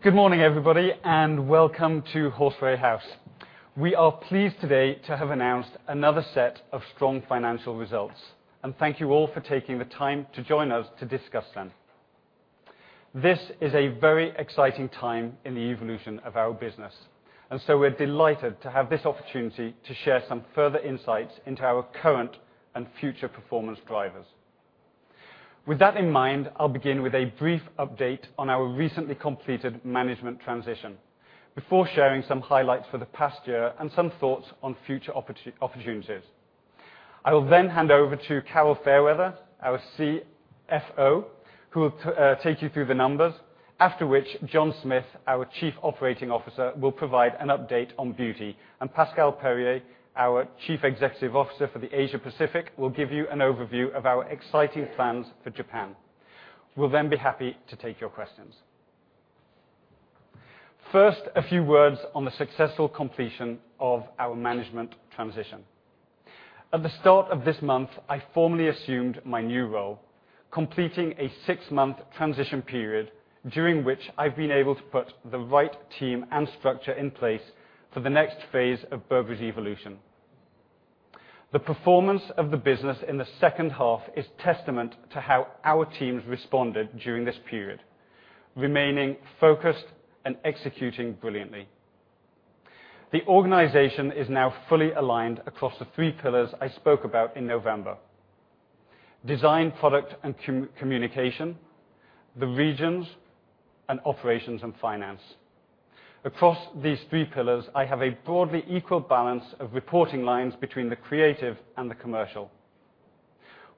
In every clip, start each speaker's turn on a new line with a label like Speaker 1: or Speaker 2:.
Speaker 1: Good morning, everybody, welcome to Horseferry House. We are pleased today to have announced another set of strong financial results, thank you all for taking the time to join us to discuss them. This is a very exciting time in the evolution of our business, we're delighted to have this opportunity to share some further insights into our current and future performance drivers. With that in mind, I'll begin with a brief update on our recently completed management transition before sharing some highlights for the past year and some thoughts on future opportunities. I will hand over to Carol Fairweather, our CFO, who will take you through the numbers, after which John Smith, our Chief Operating Officer, will provide an update on beauty, Pascal Perrier, our Chief Executive Officer for the Asia Pacific, will give you an overview of our exciting plans for Japan. We'll be happy to take your questions. First, a few words on the successful completion of our management transition. At the start of this month, I formally assumed my new role, completing a six-month transition period during which I've been able to put the right team and structure in place for the next phase of Burberry's evolution. The performance of the business in the second half is testament to how our teams responded during this period, remaining focused and executing brilliantly. The organization is now fully aligned across the three pillars I spoke about in November: design, product, and communication, the regions, and operations and finance. Across these three pillars, I have a broadly equal balance of reporting lines between the creative and the commercial.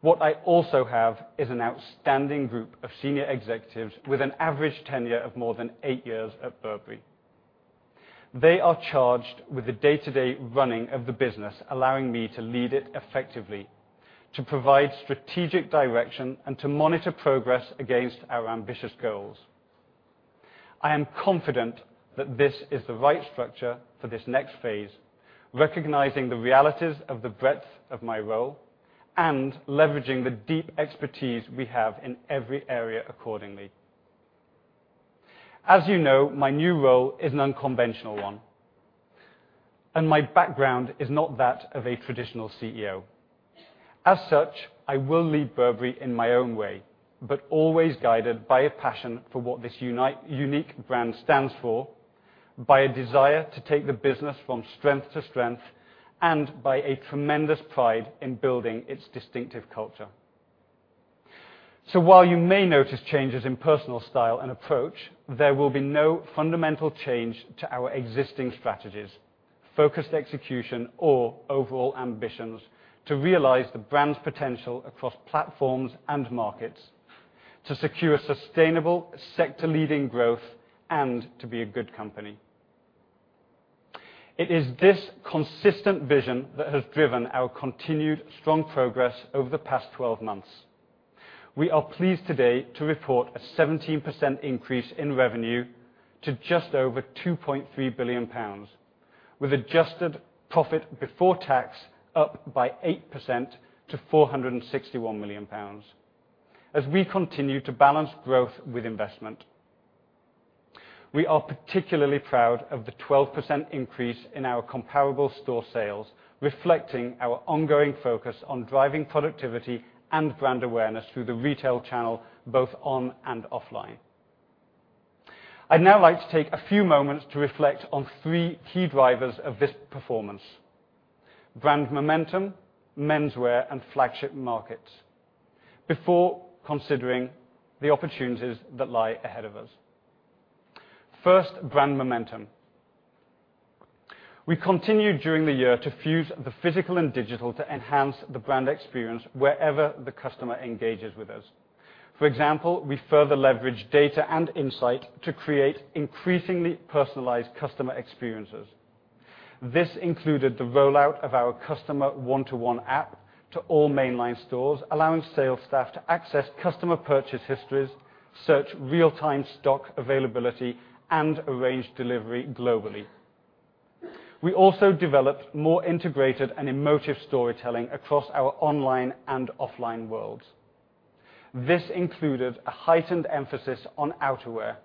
Speaker 1: What I also have is an outstanding group of senior executives with an average tenure of more than eight years at Burberry. They are charged with the day-to-day running of the business, allowing me to lead it effectively, to provide strategic direction, to monitor progress against our ambitious goals. I am confident that this is the right structure for this next phase, recognizing the realities of the breadth of my role and leveraging the deep expertise we have in every area accordingly. As you know, my new role is an unconventional one, my background is not that of a traditional CEO. As such, I will lead Burberry in my own way, always guided by a passion for what this unique brand stands for, by a desire to take the business from strength to strength, and by a tremendous pride in building its distinctive culture. While you may notice changes in personal style and approach, there will be no fundamental change to our existing strategies, focused execution, or overall ambitions to realize the brand's potential across platforms and markets, to secure sustainable sector-leading growth, and to be a good company. It is this consistent vision that has driven our continued strong progress over the past 12 months. We are pleased today to report a 17% increase in revenue to just over 2.3 billion pounds, with adjusted profit before tax up by 8% to 461 million pounds, as we continue to balance growth with investment. We are particularly proud of the 12% increase in our comparable store sales, reflecting our ongoing focus on driving productivity and brand awareness through the retail channel, both on and offline. I'd now like to take a few moments to reflect on three key drivers of this performance: brand momentum, menswear, and flagship markets, before considering the opportunities that lie ahead of us. First, brand momentum. We continued during the year to fuse the physical and digital to enhance the brand experience wherever the customer engages with us. For example, we further leveraged data and insight to create increasingly personalized customer experiences. This included the rollout of our Customer 1-to-1 app to all mainline stores, allowing sales staff to access customer purchase histories, search real-time stock availability, and arrange delivery globally. We also developed more integrated and emotive storytelling across our online and offline worlds. This included a heightened emphasis on outerwear,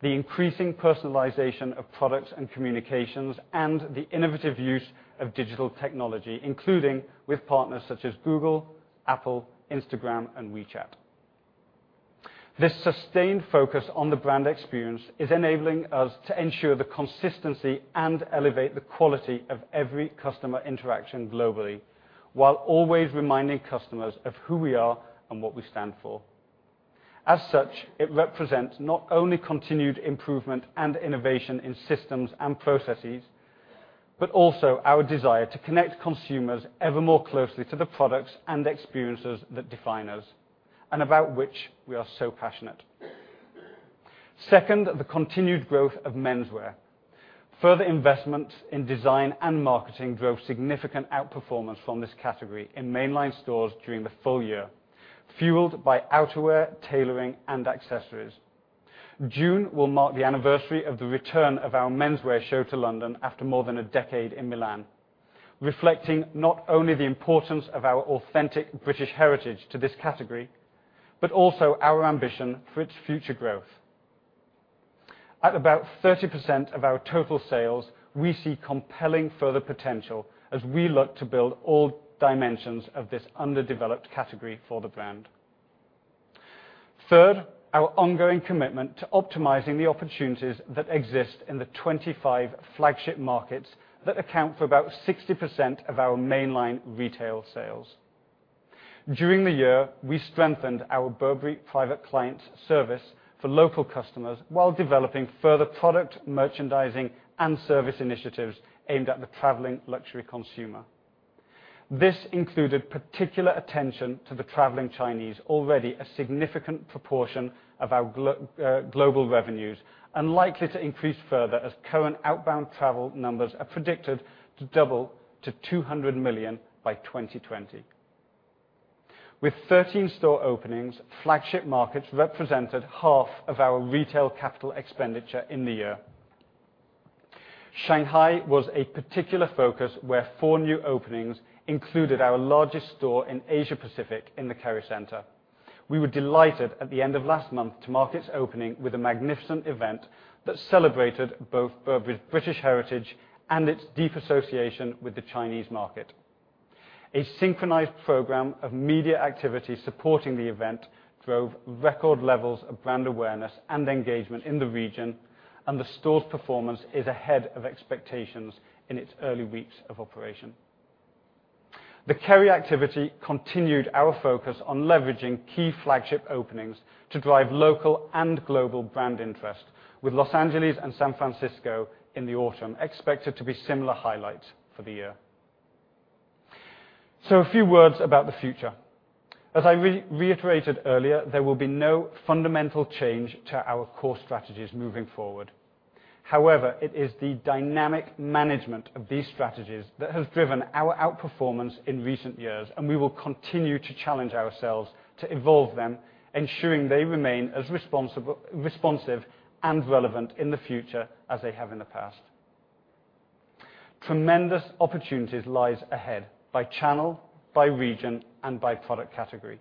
Speaker 1: the increasing personalization of products and communications, and the innovative use of digital technology, including with partners such as Google, Apple, Instagram and WeChat. This sustained focus on the brand experience is enabling us to ensure the consistency and elevate the quality of every customer interaction globally, while always reminding customers of who we are and what we stand for. Such, it represents not only continued improvement and innovation in systems and processes, but also our desire to connect consumers ever more closely to the products and experiences that define us and about which we are so passionate. Second, the continued growth of menswear. Further investment in design and marketing drove significant outperformance from this category in mainline stores during the full year, fueled by outerwear, tailoring, and accessories. June will mark the anniversary of the return of our menswear show to London after more than a decade in Milan. Reflecting not only the importance of our authentic British heritage to this category, but also our ambition for its future growth. At about 30% of our total sales, we see compelling further potential as we look to build all dimensions of this underdeveloped category for the brand. Third, our ongoing commitment to optimizing the opportunities that exist in the 25 flagship markets that account for about 60% of our mainline retail sales. During the year, we strengthened our Burberry private client service for local customers, while developing further product merchandising and service initiatives aimed at the traveling luxury consumer. This included particular attention to the traveling Chinese, already a significant proportion of our global revenues, and likely to increase further as current outbound travel numbers are predicted to double to 200 million by 2020. With 13 store openings, flagship markets represented half of our retail capital expenditure in the year. Shanghai was a particular focus, where four new openings included our largest store in Asia Pacific in the Kerry Centre. We were delighted at the end of last month to mark its opening with a magnificent event that celebrated both Burberry's British heritage and its deep association with the Chinese market. A synchronized program of media activity supporting the event drove record levels of brand awareness and engagement in the region. The store's performance is ahead of expectations in its early weeks of operation. The Kerry activity continued our focus on leveraging key flagship openings to drive local and global brand interest, with Los Angeles and San Francisco in the autumn expected to be similar highlights for the year. A few words about the future. As I reiterated earlier, there will be no fundamental change to our core strategies moving forward. It is the dynamic management of these strategies that has driven our outperformance in recent years, and we will continue to challenge ourselves to evolve them, ensuring they remain as responsive and relevant in the future as they have in the past. Tremendous opportunities lies ahead by channel, by region, and by product category.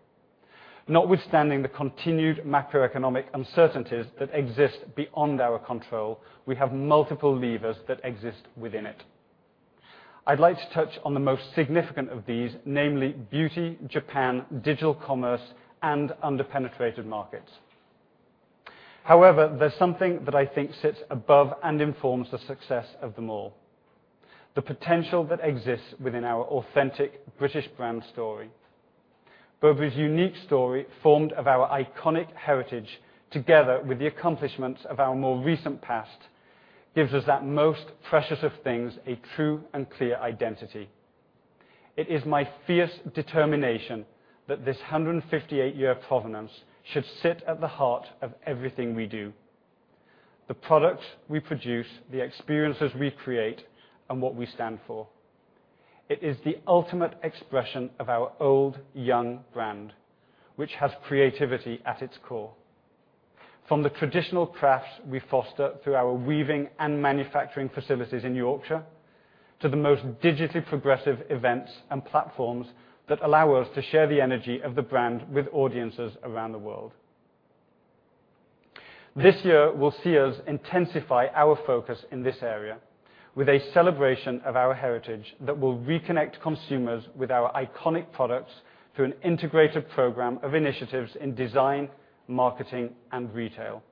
Speaker 1: Notwithstanding the continued macroeconomic uncertainties that exist beyond our control, we have multiple levers that exist within it. I'd like to touch on the most significant of these, namely beauty, Japan, digital commerce, and under-penetrated markets. There's something that I think sits above and informs the success of them all: the potential that exists within our authentic British brand story. Burberry's unique story, formed of our iconic heritage together with the accomplishments of our more recent past, gives us that most precious of things, a true and clear identity. It is my fierce determination that this 158-year provenance should sit at the heart of everything we do, the products we produce, the experiences we create, and what we stand for. It is the ultimate expression of our old young brand, which has creativity at its core. From the traditional crafts we foster through our weaving and manufacturing facilities in Yorkshire, to the most digitally progressive events and platforms that allow us to share the energy of the brand with audiences around the world. This year will see us intensify our focus in this area with a celebration of our heritage that will reconnect consumers with our iconic products through an integrated program of initiatives in design, marketing, and retail.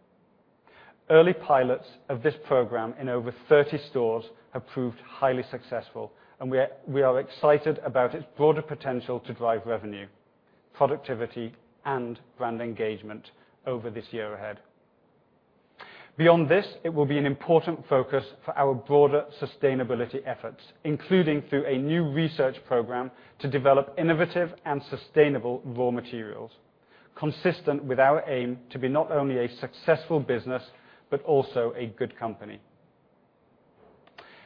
Speaker 1: Early pilots of this program in over 30 stores have proved highly successful, and we are excited about its broader potential to drive revenue, productivity, and brand engagement over this year ahead. Beyond this, it will be an important focus for our broader sustainability efforts, including through a new research program to develop innovative and sustainable raw materials. Consistent with our aim to be not only a successful business, but also a good company.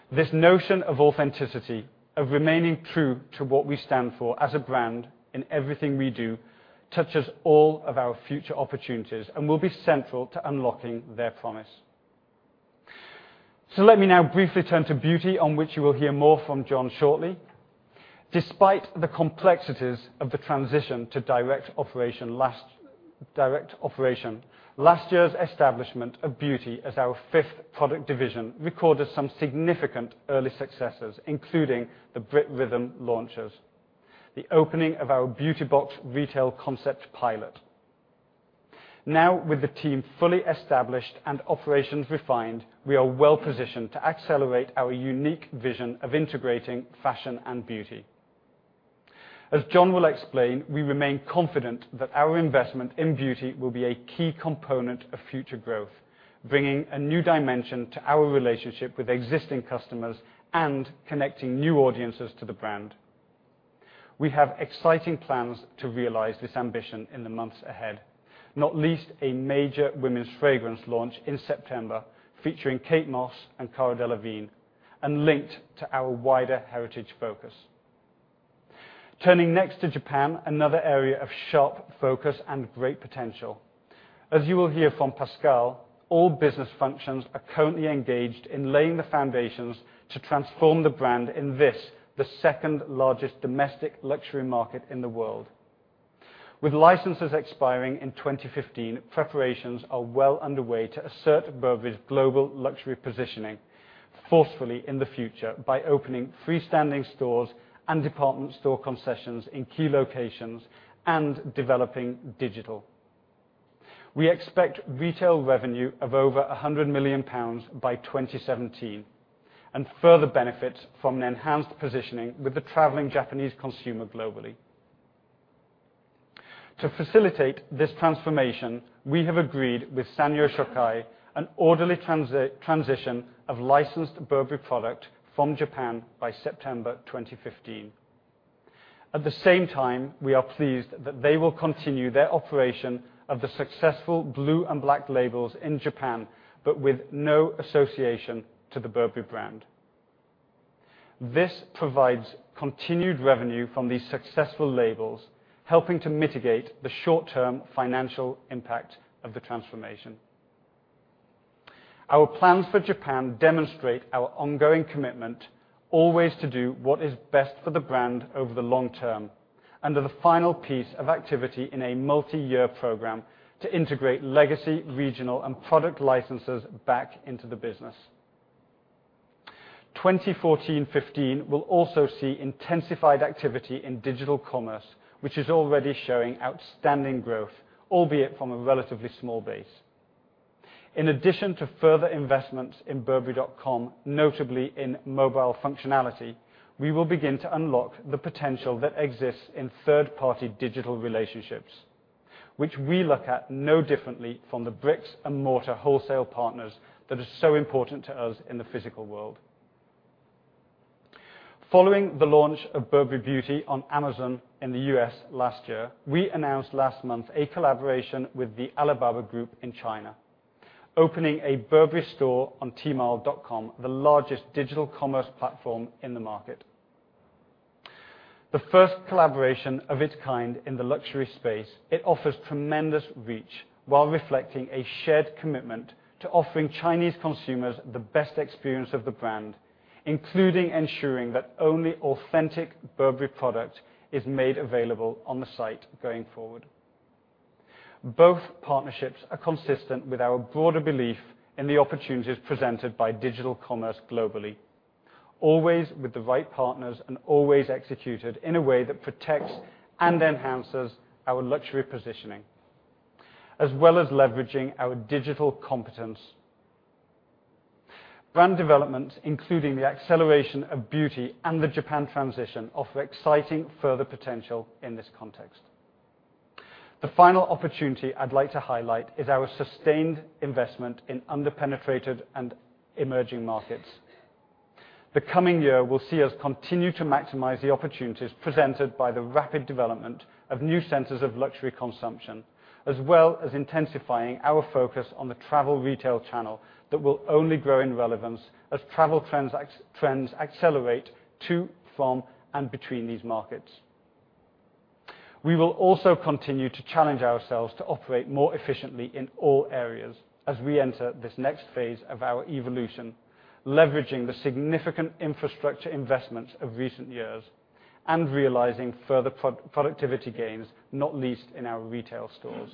Speaker 1: This notion of authenticity, of remaining true to what we stand for as a brand in everything we do, touches all of our future opportunities and will be central to unlocking their promise. Let me now briefly turn to beauty, on which you will hear more from John shortly. Despite the complexities of the transition to direct operation, last year's establishment of beauty as our fifth product division recorded some significant early successes, including the Brit Rhythm launches, the opening of our Beauty Box retail concept pilot. Now, with the team fully established and operations refined, we are well-positioned to accelerate our unique vision of integrating fashion and beauty. As John will explain, we remain confident that our investment in beauty will be a key component of future growth, bringing a new dimension to our relationship with existing customers and connecting new audiences to the brand. We have exciting plans to realize this ambition in the months ahead, not least a major women's fragrance launch in September featuring Kate Moss and Cara Delevingne, linked to our wider heritage focus. Turning next to Japan, another area of sharp focus and great potential. As you will hear from Pascal, all business functions are currently engaged in laying the foundations to transform the brand in this, the second largest domestic luxury market in the world. With licenses expiring in 2015, preparations are well underway to assert Burberry's global luxury positioning forcefully in the future by opening freestanding stores and department store concessions in key locations and developing digital. We expect retail revenue of over 100 million pounds by 2017, and further benefits from an enhanced positioning with the traveling Japanese consumer globally. To facilitate this transformation, we have agreed with Sanyo Shokai an orderly transition of licensed Burberry product from Japan by September 2015. At the same time, we are pleased that they will continue their operation of the successful Blue Label and Black Label in Japan, but with no association to the Burberry brand. This provides continued revenue from these successful labels, helping to mitigate the short-term financial impact of the transformation. Our plans for Japan demonstrate our ongoing commitment always to do what is best for the brand over the long term, and are the final piece of activity in a multi-year program to integrate legacy, regional, and product licenses back into the business. 2014-15 will also see intensified activity in digital commerce, which is already showing outstanding growth, albeit from a relatively small base. In addition to further investments in burberry.com, notably in mobile functionality, we will begin to unlock the potential that exists in third-party digital relationships, which we look at no differently from the bricks-and-mortar wholesale partners that are so important to us in the physical world. Following the launch of Burberry Beauty on Amazon in the U.S. last year, we announced last month a collaboration with the Alibaba Group in China, opening a Burberry store on Tmall.com, the largest digital commerce platform in the market. The first collaboration of its kind in the luxury space, it offers tremendous reach while reflecting a shared commitment to offering Chinese consumers the best experience of the brand, including ensuring that only authentic Burberry product is made available on the site going forward. Both partnerships are consistent with our broader belief in the opportunities presented by digital commerce globally, always with the right partners and always executed in a way that protects and enhances our luxury positioning, as well as leveraging our digital competence. Brand development, including the acceleration of beauty and the Japan transition, offer exciting further potential in this context. The final opportunity I'd like to highlight is our sustained investment in under-penetrated and emerging markets. The coming year will see us continue to maximize the opportunities presented by the rapid development of new centers of luxury consumption, as well as intensifying our focus on the travel retail channel that will only grow in relevance as travel trends accelerate to, from, and between these markets. We will also continue to challenge ourselves to operate more efficiently in all areas as we enter this next phase of our evolution, leveraging the significant infrastructure investments of recent years and realizing further productivity gains, not least in our retail stores.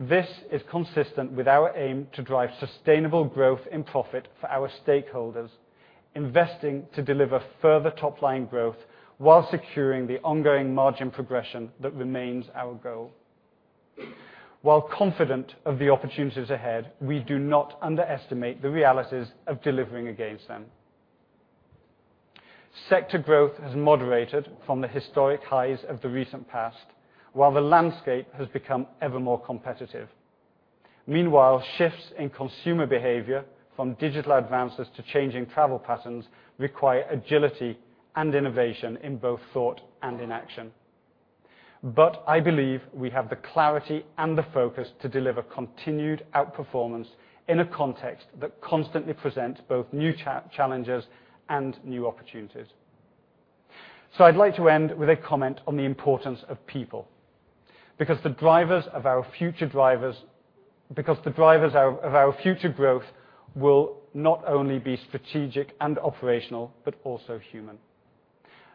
Speaker 1: This is consistent with our aim to drive sustainable growth and profit for our stakeholders, investing to deliver further top-line growth while securing the ongoing margin progression that remains our goal. While confident of the opportunities ahead, we do not underestimate the realities of delivering against them. Sector growth has moderated from the historic highs of the recent past, while the landscape has become ever more competitive. Meanwhile, shifts in consumer behavior from digital advances to changing travel patterns require agility and innovation in both thought and in action. I believe we have the clarity and the focus to deliver continued outperformance in a context that constantly presents both new challenges and new opportunities. I'd like to end with a comment on the importance of people, because the drivers of our future growth will not only be strategic and operational, but also human.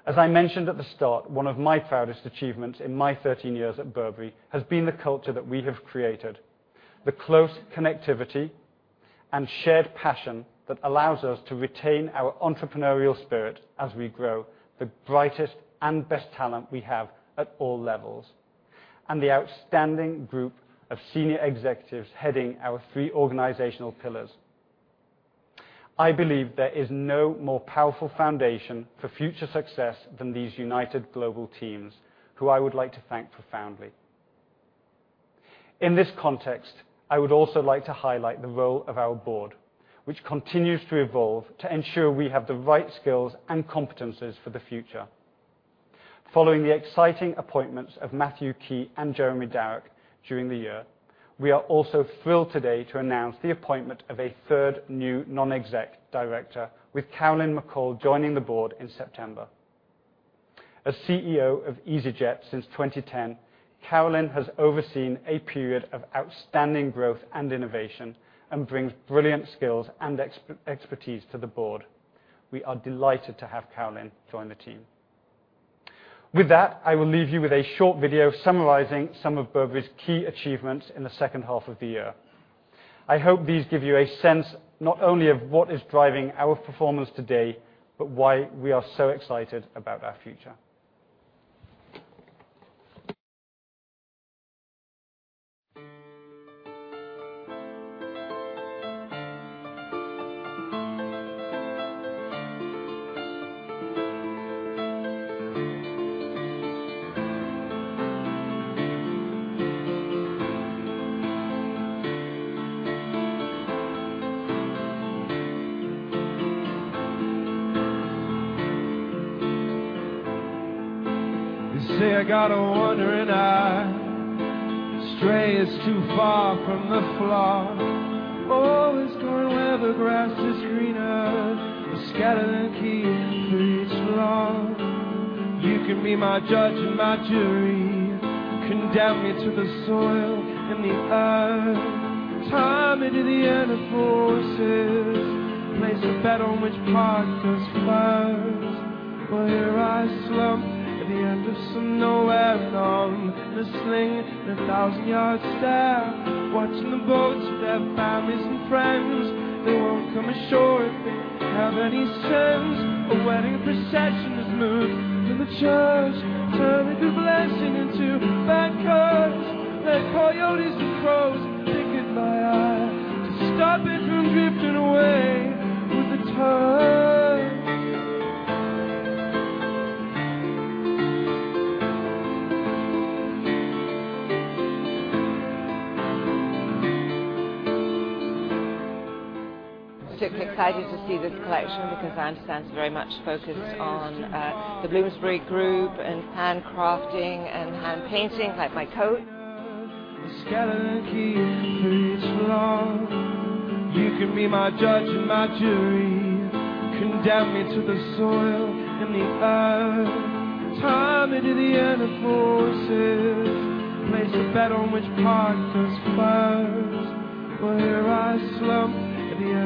Speaker 1: As I mentioned at the start, one of my proudest achievements in my 13 years at Burberry has been the culture that we have created, the close connectivity and shared passion that allows us to retain our entrepreneurial spirit as we grow the brightest and best talent we have at all levels, and the outstanding group of senior executives heading our three organizational pillars. I believe there is no more powerful foundation for future success than these united global teams, who I would like to thank profoundly. In this context, I would also like to highlight the role of our board, which continues to evolve to ensure we have the right skills and competencies for the future. Following the exciting appointments of Matthew Key and Jeremy Darroch during the year We are also thrilled today to announce the appointment of a third new non-exec director, with Carolyn McCall joining the board in September. As CEO of easyJet since 2010, Carolyn has overseen a period of outstanding growth and innovation and brings brilliant skills and expertise to the board. We are delighted to have Carolyn join the team. With that, I will leave you with a short video summarizing some of Burberry's key achievements in the second half of the year. I hope these give you a sense not only of what is driving our performance today, but why we are so excited about our future.
Speaker 2: They say I got a wanderin' eye. Stray is too far from the flock. Always goin' where the grass is greener. A skeleton key in through each lock. You can be my judge and my jury. Condemn me to the soil in the earth. Tie me to the inner forces. Place a bet on which part goes first. Here I slump at the end of somewhere. I'm the sling in a thousand-yard stare. Watchin' the boats with their families and friends. They won't come ashore if they have any sense. A wedding procession has moved from the church. Turned a good blessing into a bad curse. Let coyotes and crows pick at my eyes. To stop it from driftin' away with the tide. Super excited to see this collection because I understand it's very much focused on the Bloomsbury Group and handcrafting and hand painting, like my coat. Always goin' where the grass is greener. A skeleton key in through each lock. You can be my judge and my jury. Condemn me to the soil in the earth. Tie me to the inner forces. Place a bet on which part goes first. Well, here I slump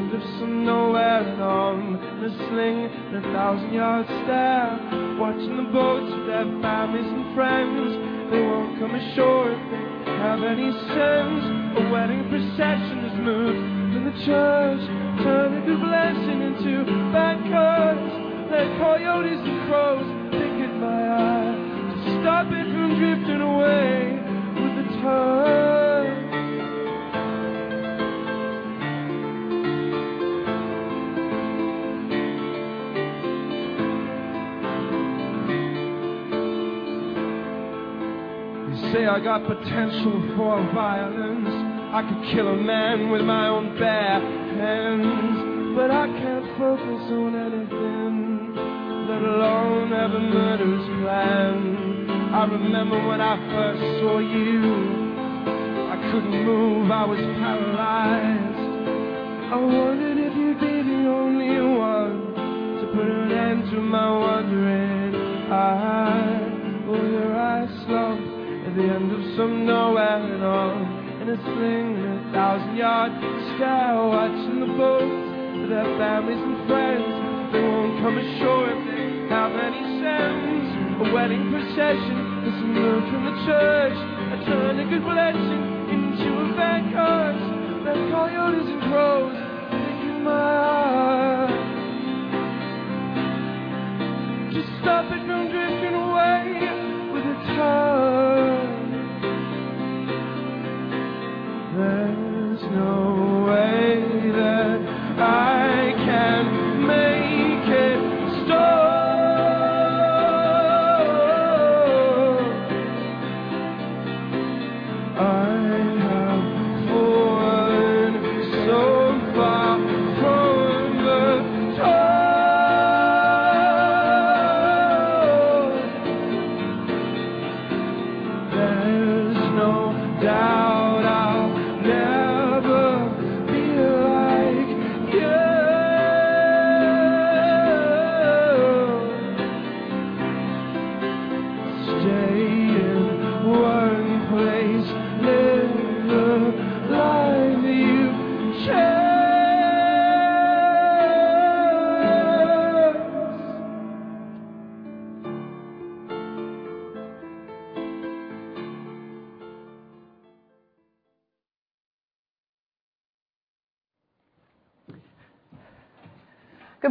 Speaker 2: at the end of somewhere. I'm the sling in a thousand-yard stare. Watchin' the boats with their families and friends. They won't come ashore if they have any sense. A wedding procession has moved from the church. Turned a good blessing into a bad curse. Let coyotes and crows pick at my eyes. To stop it from driftin' away with the tide. They say I got potential for violence. I could kill a man with my own bare hands. I can't focus on anything. Let alone have a murderous plan. I remember when I first saw you. I couldn't move, I was paralyzed. I wondered if you'd be the only one. To put an end to my wanderin' eye. Well, here I slump at the end of somewhere. I'm in a sling in a thousand-yard stare. Watchin' the boats with their families and friends. They won't come ashore if they have any sense. A wedding procession has moved from the church. I turned a good blessing into a bad curse. Let coyotes and crows pick at my eyes. To stop it from driftin' away with the tide. There's no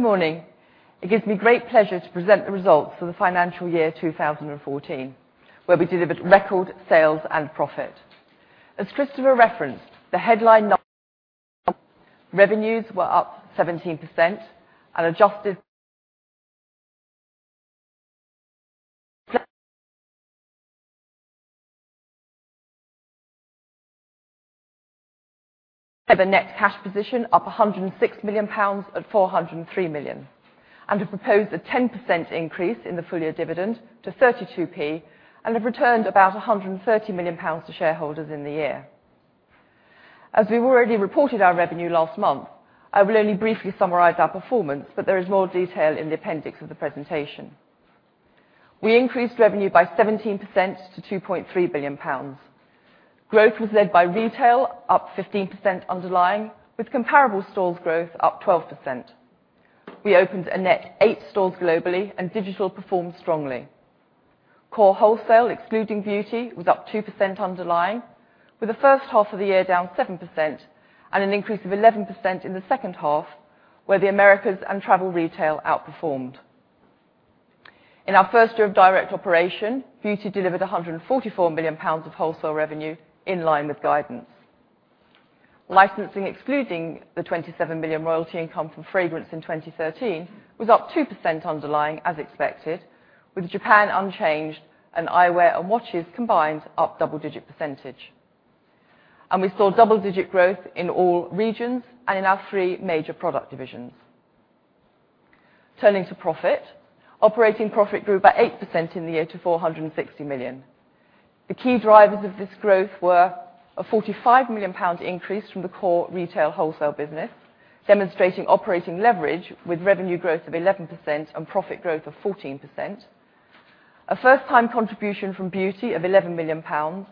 Speaker 2: way that I can make it stop. I have fallen so far from the top. There's no doubt I'll never be like you. Stay in one place, live the life you chose.
Speaker 3: Good morning. It gives me great pleasure to present the results for the financial year 2014, where we delivered record sales and profit. As Christopher referenced, the headline revenues were up 17% and adjusted A net cash position up 106 million pounds at 403 million, have proposed a 10% increase in the full-year dividend to 0.32, have returned about 130 million pounds to shareholders in the year. As we've already reported our revenue last month, I will only briefly summarize our performance, there is more detail in the appendix of the presentation. We increased revenue by 17% to 2.3 billion pounds. Growth was led by retail, up 15% underlying, with comparable stores growth up 12%. We opened a net eight stores globally, digital performed strongly. Core wholesale, excluding beauty, was up 2% underlying, with the first half of the year down 7%, an increase of 11% in the second half, where the Americas and travel retail outperformed. In our first year of direct operation, beauty delivered 144 million pounds of wholesale revenue, in line with guidance. Licensing, excluding the 27 million royalty income from fragrance in 2013, was up 2% underlying as expected, with Japan unchanged, eyewear and watches combined up double-digit percentage. We saw double-digit growth in all regions and in our three major product divisions. Turning to profit. Operating profit grew by 8% in the year to 460 million. The key drivers of this growth were a 45 million pound increase from the core retail wholesale business, demonstrating operating leverage with revenue growth of 11% and profit growth of 14%, a first-time contribution from beauty of 11 million pounds,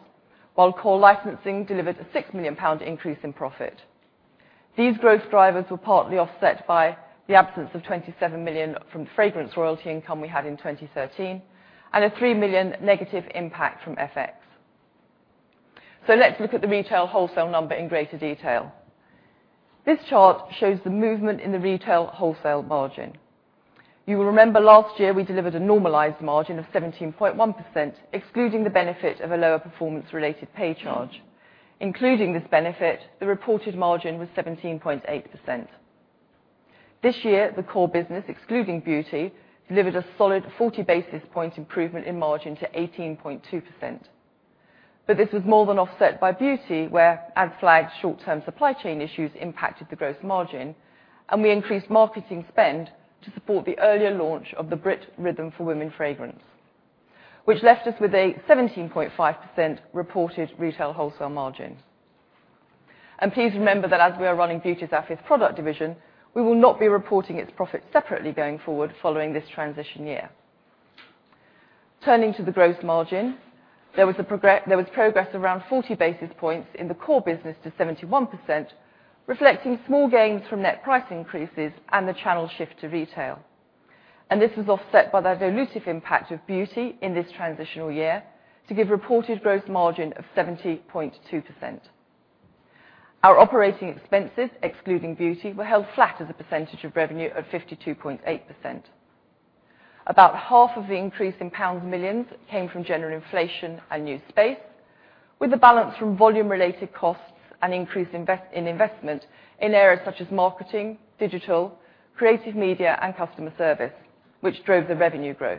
Speaker 3: while core licensing delivered a 6 million pound increase in profit. These growth drivers were partly offset by the absence of 27 million from fragrance royalty income we had in 2013 and a 3 million negative impact from FX. Let's look at the retail wholesale number in greater detail. This chart shows the movement in the retail wholesale margin. You will remember last year we delivered a normalized margin of 17.1%, excluding the benefit of a lower performance-related pay charge. Including this benefit, the reported margin was 17.8%. This year, the core business, excluding beauty, delivered a solid 40-basis point improvement in margin to 18.2%. This was more than offset by beauty, where as flagged short-term supply chain issues impacted the gross margin, we increased marketing spend to support the earlier launch of the Brit Rhythm for Women fragrance, which left us with a 17.5% reported retail wholesale margin. Please remember that as we are running beauty as our fifth product division, we will not be reporting its profits separately going forward following this transition year. Turning to the gross margin. There was progress around 40 basis points in the core business to 71%, reflecting small gains from net price increases and the channel shift to retail. This was offset by the dilutive impact of beauty in this transitional year to give reported gross margin of 70.2%. Our operating expenses, excluding beauty, were held flat as a percentage of revenue at 52.8%. About half of the increase in millions pounds came from general inflation and new space, with the balance from volume-related costs and increase in investment in areas such as marketing, digital, creative media, and customer service, which drove the revenue growth.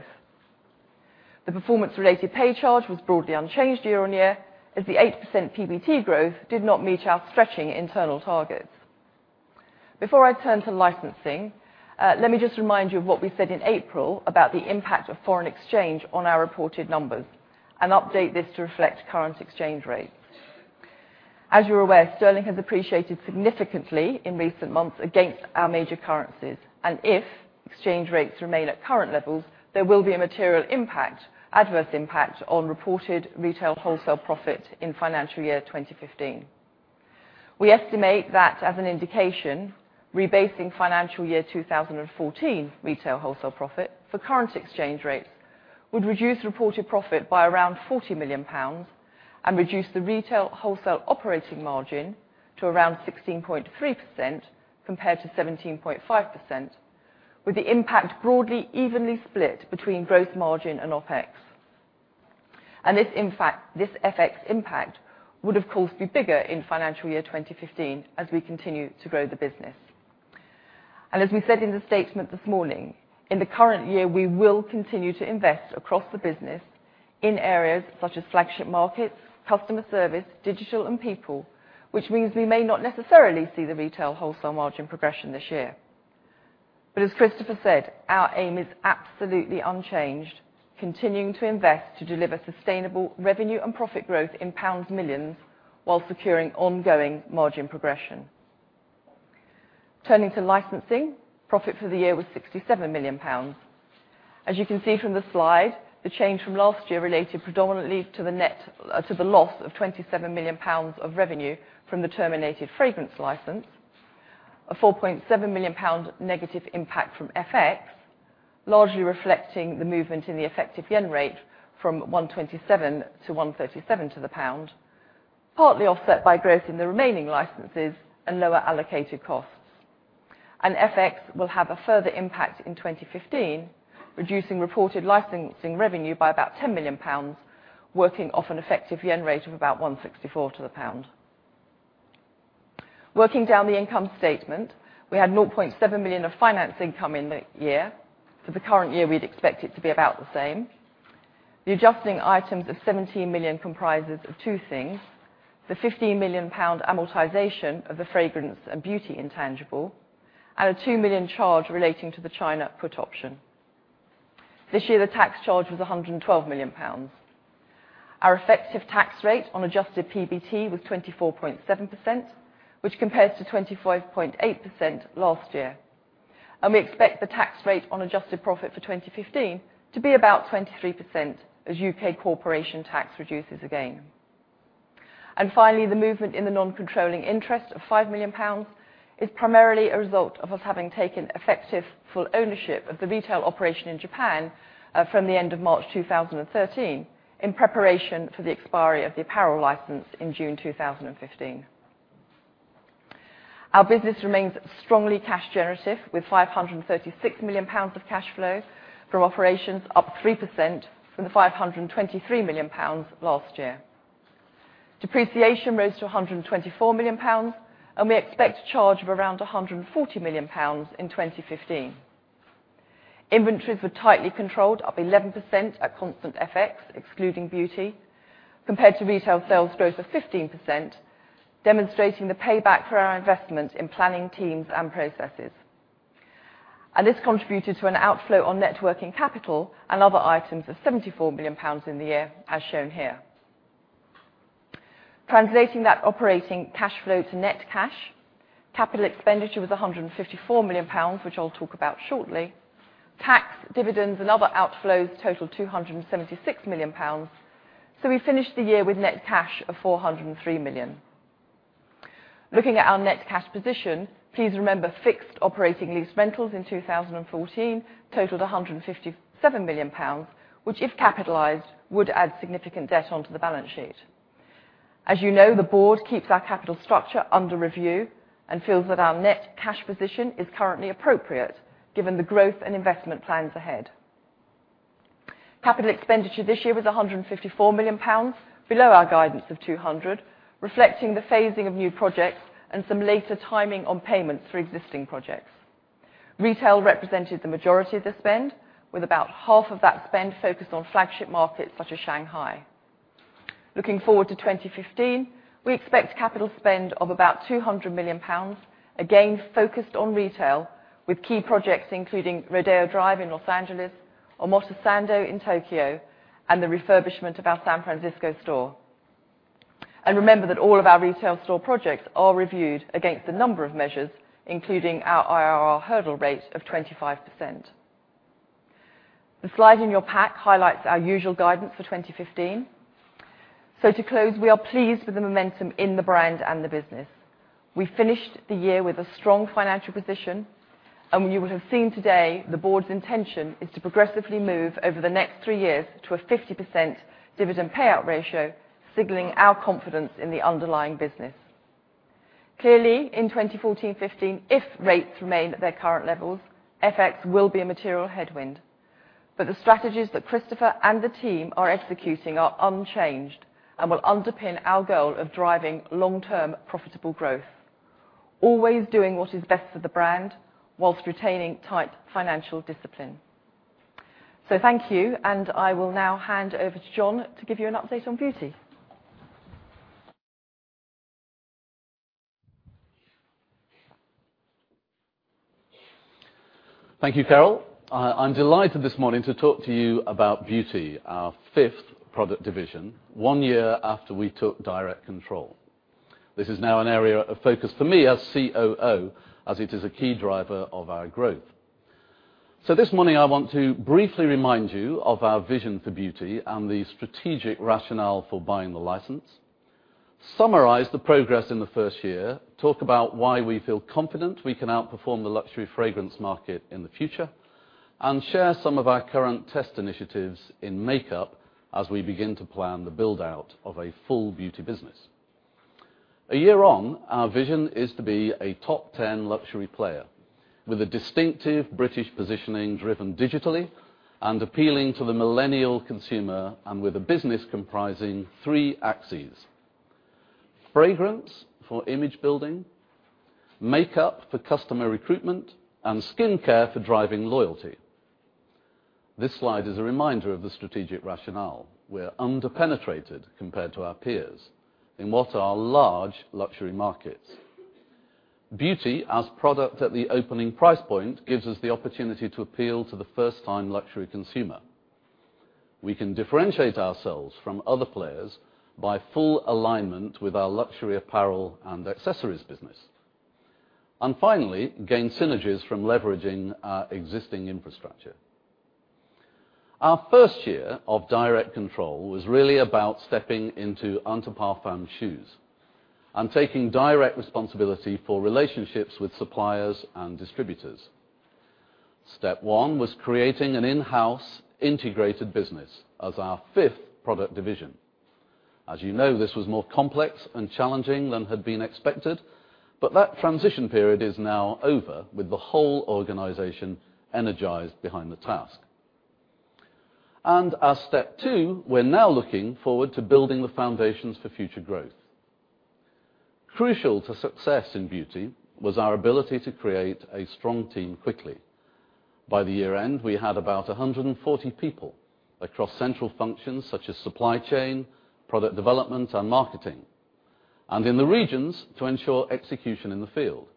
Speaker 3: The performance-related pay charge was broadly unchanged year on year, as the 8% PBT growth did not meet our stretching internal targets. Before I turn to licensing, let me just remind you of what we said in April about the impact of foreign exchange on our reported numbers, and update this to reflect current exchange rates. As you're aware, sterling has appreciated significantly in recent months against our major currencies, and if exchange rates remain at current levels, there will be a material impact, adverse impact, on reported retail wholesale profit in financial year 2015. We estimate that, as an indication, rebasing financial year 2014 retail wholesale profit for current exchange rates would reduce reported profit by around 40 million pounds and reduce the retail wholesale operating margin to around 16.3% compared to 17.5%, with the impact broadly evenly split between gross margin and OpEx. This FX impact would, of course, be bigger in financial year 2015 as we continue to grow the business. As we said in the statement this morning, in the current year, we will continue to invest across the business in areas such as flagship markets, customer service, digital, and people, which means we may not necessarily see the retail wholesale margin progression this year. As Christopher said, our aim is absolutely unchanged, continuing to invest to deliver sustainable revenue and profit growth in pound millions while securing ongoing margin progression. Turning to licensing, profit for the year was GBP 67 million. As you can see from the slide, the change from last year related predominantly to the loss of 27 million pounds of revenue from the terminated fragrance license, a 4.7 million pound negative impact from FX, largely reflecting the movement in the effective yen rate from 127 to 137 to the pound, partly offset by growth in the remaining licenses and lower allocated costs. FX will have a further impact in 2015, reducing reported licensing revenue by about 10 million pounds, working off an effective yen rate of about 164 to the pound. Working down the income statement, we had 0.7 million of finance income in the year. For the current year, we'd expect it to be about the same. The adjusting items of 17 million comprises of two things, the 15 million pound amortization of the fragrance and beauty intangible, and a 2 million charge relating to the China put option. This year, the tax charge was 112 million pounds. Our effective tax rate on adjusted PBT was 24.7%, which compares to 25.8% last year. We expect the tax rate on adjusted profit for 2015 to be about 23% as U.K. corporation tax reduces again. Finally, the movement in the non-controlling interest of 5 million pounds is primarily a result of us having taken effective full ownership of the retail operation in Japan from the end of March 2013 in preparation for the expiry of the apparel license in June 2015. Our business remains strongly cash generative, with 536 million pounds of cash flow from operations up 3% from the 523 million pounds last year. Depreciation rose to 124 million pounds, and we expect a charge of around 140 million pounds in 2015. Inventories were tightly controlled, up 11% at constant FX, excluding beauty, compared to retail sales growth of 15%, demonstrating the payback for our investment in planning teams and processes. This contributed to an outflow on net working capital and other items of 74 million pounds in the year, as shown here. Translating that operating cash flow to net cash, capital expenditure was 154 million pounds, which I will talk about shortly. Tax, dividends, and other outflows totaled 276 million pounds. We finished the year with net cash of 403 million. Looking at our net cash position, please remember fixed operating lease rentals in 2014 totaled 157 million pounds, which if capitalized, would add significant debt onto the balance sheet. As you know, the board keeps our capital structure under review and feels that our net cash position is currently appropriate given the growth and investment plans ahead. Capital expenditure this year was 154 million pounds, below our guidance of 200 million, reflecting the phasing of new projects and some later timing on payments for existing projects. Retail represented the majority of the spend, with about half of that spend focused on flagship markets such as Shanghai. Looking forward to 2015, we expect capital spend of about GBP 200 million, again focused on retail, with key projects including Rodeo Drive in Los Angeles, Omotesando in Tokyo, and the refurbishment of our San Francisco store. Remember that all of our retail store projects are reviewed against a number of measures, including our IRR hurdle rate of 25%. The slide in your pack highlights our usual guidance for 2015. To close, we are pleased with the momentum in the brand and the business. We finished the year with a strong financial position, and you would have seen today the board's intention is to progressively move over the next three years to a 50% dividend payout ratio, signaling our confidence in the underlying business. Clearly, in 2014, 2015, if rates remain at their current levels, FX will be a material headwind. The strategies that Christopher and the team are executing are unchanged and will underpin our goal of driving long-term profitable growth, always doing what is best for the brand whilst retaining tight financial discipline. Thank you, and I will now hand over to John to give you an update on beauty.
Speaker 4: Thank you, Carol. I am delighted this morning to talk to you about beauty, our fifth product division, one year after we took direct control. This is now an area of focus for me as COO, as it is a key driver of our growth. This morning, I want to briefly remind you of our vision for beauty and the strategic rationale for buying the license, summarize the progress in the first year, talk about why we feel confident we can outperform the luxury fragrance market in the future, and share some of our current test initiatives in makeup as we begin to plan the build-out of a full beauty business. A year on, our vision is to be a top 10 luxury player with a distinctive British positioning driven digitally and appealing to the millennial consumer, and with a business comprising three axes. Fragrance for image building, makeup for customer recruitment, and skincare for driving loyalty. This slide is a reminder of the strategic rationale. We're under-penetrated compared to our peers in what are large luxury markets. Beauty as product at the opening price point gives us the opportunity to appeal to the first-time luxury consumer. We can differentiate ourselves from other players by full alignment with our luxury apparel and accessories business. Finally, gain synergies from leveraging our existing infrastructure. Our first year of direct control was really about stepping into Inter Parfums' shoes and taking direct responsibility for relationships with suppliers and distributors. Step 1 was creating an in-house integrated business as our fifth product division. As you know, this was more complex and challenging than had been expected, that transition period is now over with the whole organization energized behind the task. Our step 2, we're now looking forward to building the foundations for future growth. Crucial to success in beauty was our ability to create a strong team quickly. By the year-end, we had about 140 people across central functions such as supply chain, product development, and marketing, and in the regions to ensure execution in the field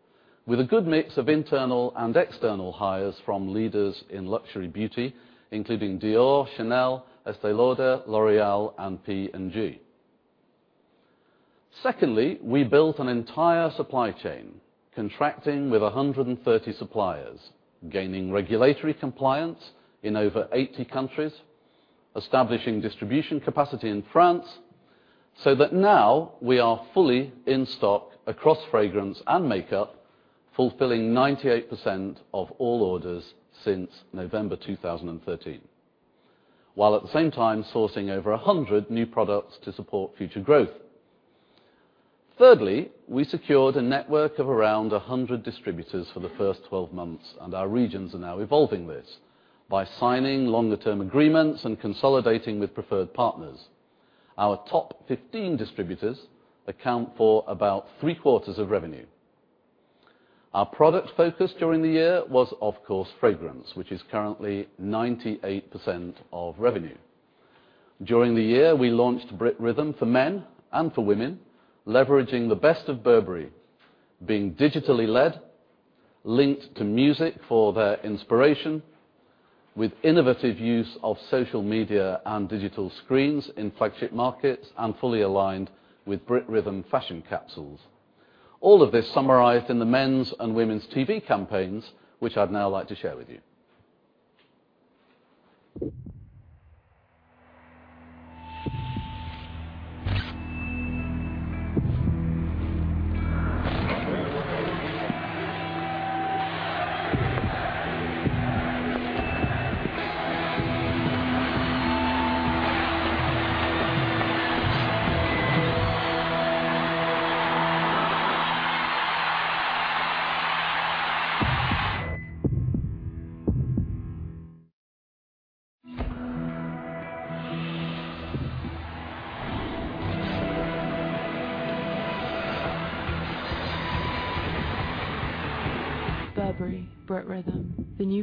Speaker 4: with a good mix of internal and external hires from leaders in luxury beauty, including Dior, Chanel, Estée Lauder, L'Oréal, and P&G. Secondly, we built an entire supply chain, contracting with 130 suppliers, gaining regulatory compliance in over 80 countries, establishing distribution capacity in France, that now we are fully in stock across fragrance and makeup, fulfilling 98% of all orders since November 2013, while at the same time sourcing over 100 new products to support future growth. Thirdly, we secured a network of around 100 distributors for the first 12 months. Our regions are now evolving this by signing longer-term agreements and consolidating with preferred partners. Our top 15 distributors account for about three-quarters of revenue. Our product focus during the year was, of course, fragrance, which is currently 98% of revenue. During the year, we launched Brit Rhythm for Men and for Women, leveraging the best of Burberry, being digitally led, linked to music for their inspiration, with innovative use of social media and digital screens in flagship markets and fully aligned with Brit Rhythm fashion capsules. All of this summarized in the men's and women's TV campaigns, which I'd now like to share with you.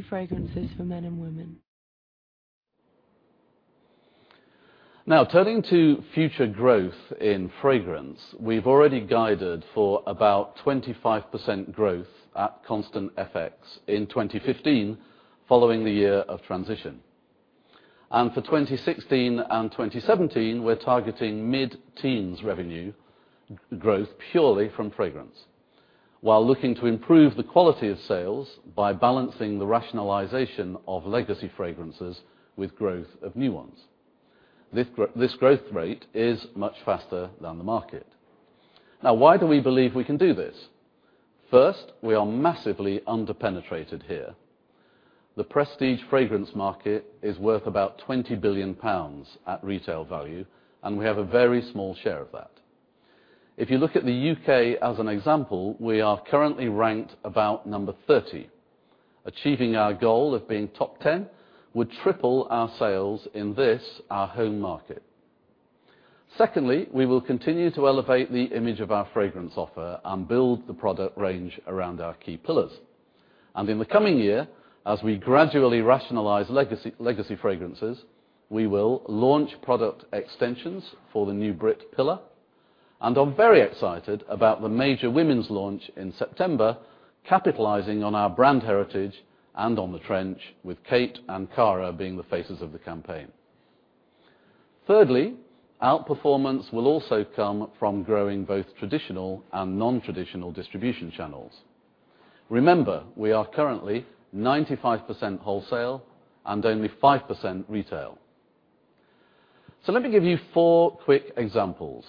Speaker 2: Burberry Brit Rhythm, the new fragrances for men and women.
Speaker 4: Turning to future growth in fragrance. We've already guided for about 25% growth at constant FX in 2015, following the year of transition. For 2016 and 2017, we're targeting mid-teens revenue growth purely from fragrance, while looking to improve the quality of sales by balancing the rationalization of legacy fragrances with growth of new ones. This growth rate is much faster than the market. Why do we believe we can do this? First, we are massively under-penetrated here. The prestige fragrance market is worth about 20 billion pounds at retail value, and we have a very small share of that. If you look at the U.K. as an example, we are currently ranked about number 30. Achieving our goal of being top 10 would triple our sales in this, our home market. We will continue to elevate the image of our fragrance offer and build the product range around our key pillars. In the coming year, as we gradually rationalize legacy fragrances, we will launch product extensions for the new Brit pillar. I'm very excited about the major women's launch in September, capitalizing on our brand heritage and on the trench with Kate and Cara being the faces of the campaign. Outperformance will also come from growing both traditional and non-traditional distribution channels. Remember, we are currently 95% wholesale and only 5% retail. Let me give you four quick examples.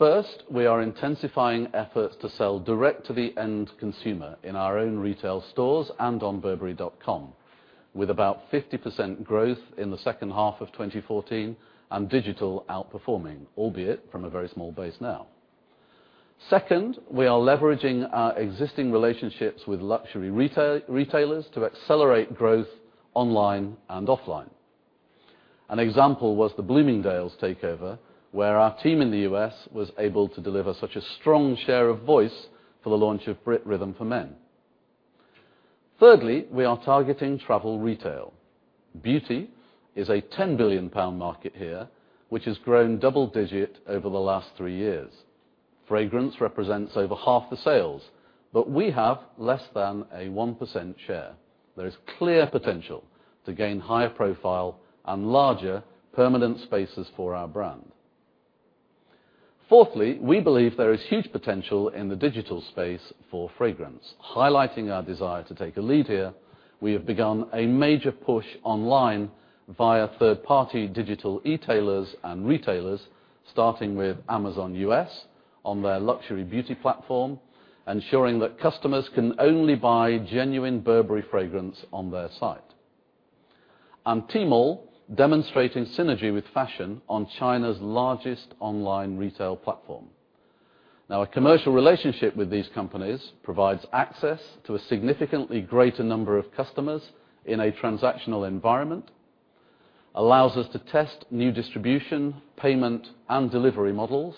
Speaker 4: First, we are intensifying efforts to sell direct to the end consumer in our own retail stores and on burberry.com, with about 50% growth in the second half of 2014 and digital outperforming, albeit from a very small base now. Second, we are leveraging our existing relationships with luxury retailers to accelerate growth online and offline. An example was the Bloomingdale's takeover, where our team in the U.S. was able to deliver such a strong share of voice for the launch of Brit Rhythm for Men. Thirdly, we are targeting travel retail. Beauty is a 10 billion pound market here, which has grown double digit over the last three years. Fragrance represents over half the sales, but we have less than a 1% share. There is clear potential to gain higher profile and larger permanent spaces for our brand. Fourthly, we believe there is huge potential in the digital space for fragrance. Highlighting our desire to take a lead here, we have begun a major push online via third-party digital e-tailers and retailers, starting with Amazon U.S. on their luxury beauty platform, ensuring that customers can only buy genuine Burberry fragrance on their site. Tmall demonstrating synergy with fashion on China's largest online retail platform. A commercial relationship with these companies provides access to a significantly greater number of customers in a transactional environment. Allows us to test new distribution, payment, and delivery models,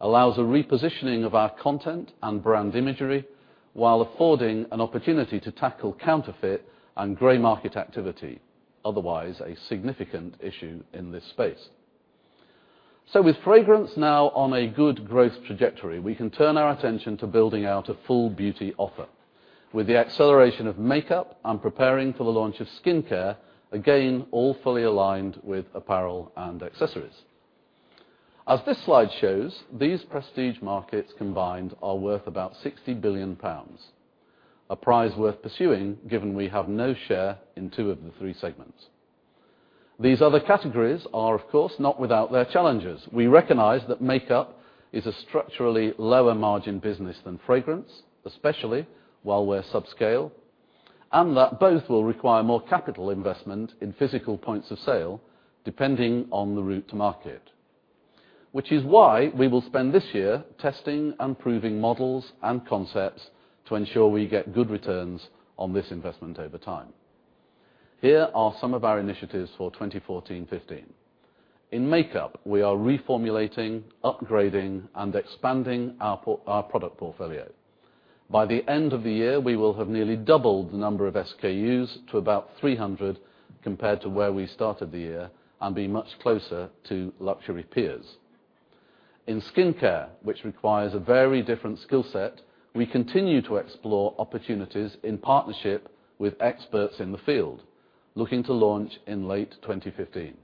Speaker 4: allows a repositioning of our content and brand imagery, while affording an opportunity to tackle counterfeit and gray market activity, otherwise a significant issue in this space. With fragrance on a good growth trajectory, we can turn our attention to building out a full beauty offer. With the acceleration of makeup and preparing for the launch of skincare, again, all fully aligned with apparel and accessories. As this slide shows, these prestige markets combined are worth about 60 billion pounds. A prize worth pursuing, given we have no share in two of the three segments. These other categories are, of course, not without their challenges. We recognize that makeup is a structurally lower margin business than fragrance, especially while we're subscale, and that both will require more capital investment in physical points of sale, depending on the route to market. Which is why we will spend this year testing and proving models and concepts to ensure we get good returns on this investment over time. Here are some of our initiatives for 2014-2015. In makeup, we are reformulating, upgrading, and expanding our product portfolio. By the end of the year, we will have nearly doubled the number of SKUs to about 300 compared to where we started the year and be much closer to luxury peers. In skincare, which requires a very different skill set, we continue to explore opportunities in partnership with experts in the field, looking to launch in late 2015.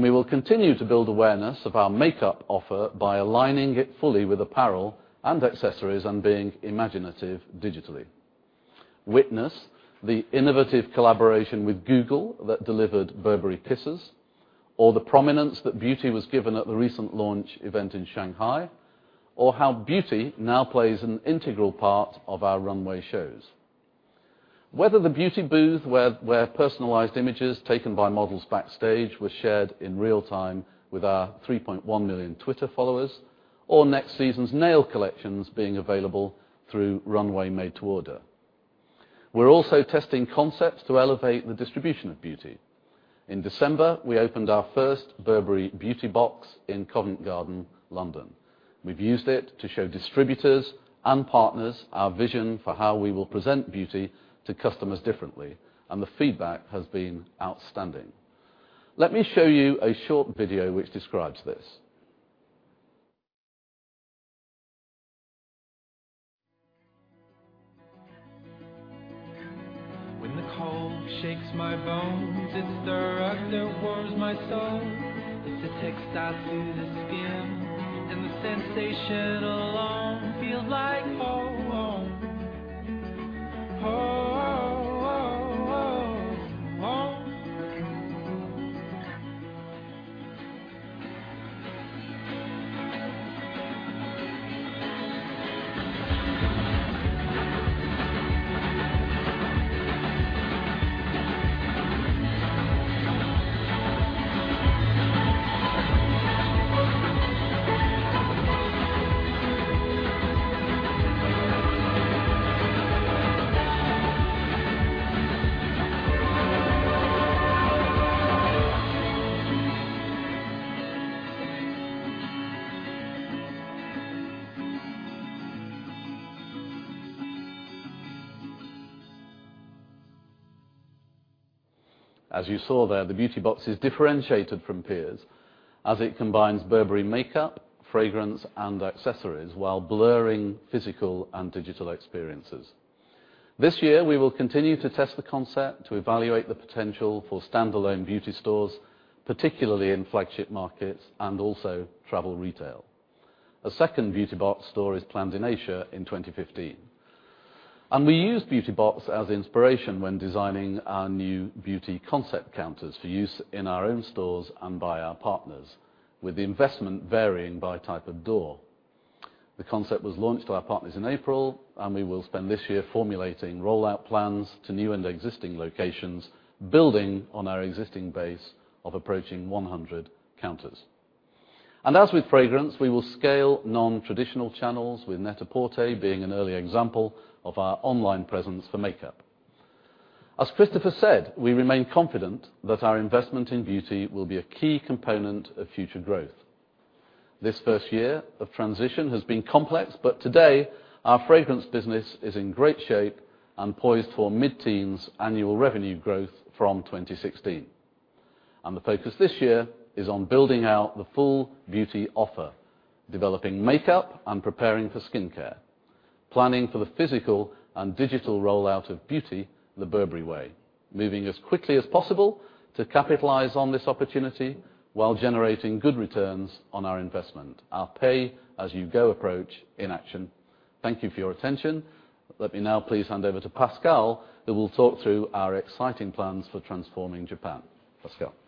Speaker 4: We will continue to build awareness of our makeup offer by aligning it fully with apparel and accessories and being imaginative digitally. Witness the innovative collaboration with Google that delivered Burberry Kisses, or the prominence that beauty was given at the recent launch event in Shanghai, or how beauty now plays an integral part of our runway shows. Whether the beauty booth, where personalized images taken by models backstage were shared in real time with our 3.1 million Twitter followers, or next season's nail collections being available through Runway Made to Order. We're also testing concepts to elevate the distribution of beauty. In December, we opened our first Burberry Beauty Box in Covent Garden, London. We've used it to show distributors and partners our vision for how we will present beauty to customers differently, and the feedback has been outstanding. Let me show you a short video which describes this.
Speaker 2: When the cold shakes my bones. It's the rug that warms my soul. It's the textile to the skin. The sensation alone feels like home. Home. Home.
Speaker 4: As you saw there, the Burberry Beauty Box is differentiated from peers as it combines Burberry makeup, fragrance, and accessories while blurring physical and digital experiences. This year, we will continue to test the concept to evaluate the potential for standalone beauty stores, particularly in flagship markets and also travel retail. A second Burberry Beauty Box store is planned in Asia in 2015. We use Burberry Beauty Box as inspiration when designing our new beauty concept counters for use in our own stores and by our partners, with the investment varying by type of door. The concept was launched to our partners in April, we will spend this year formulating rollout plans to new and existing locations, building on our existing base of approaching 100 counters. As with fragrance, we will scale non-traditional channels, with Net-a-Porter being an early example of our online presence for makeup. As Christopher said, we remain confident that our investment in beauty will be a key component of future growth. This first year of transition has been complex, today, our fragrance business is in great shape and poised for mid-teens annual revenue growth from 2016. The focus this year is on building out the full beauty offer, developing makeup, and preparing for skincare, planning for the physical and digital rollout of beauty the Burberry way, moving as quickly as possible to capitalize on this opportunity while generating good returns on our investment. Our pay-as-you-go approach in action. Thank you for your attention. Let me now please hand over to Pascal, who will talk through our exciting plans for transforming Japan. Pascal.
Speaker 5: Thank you,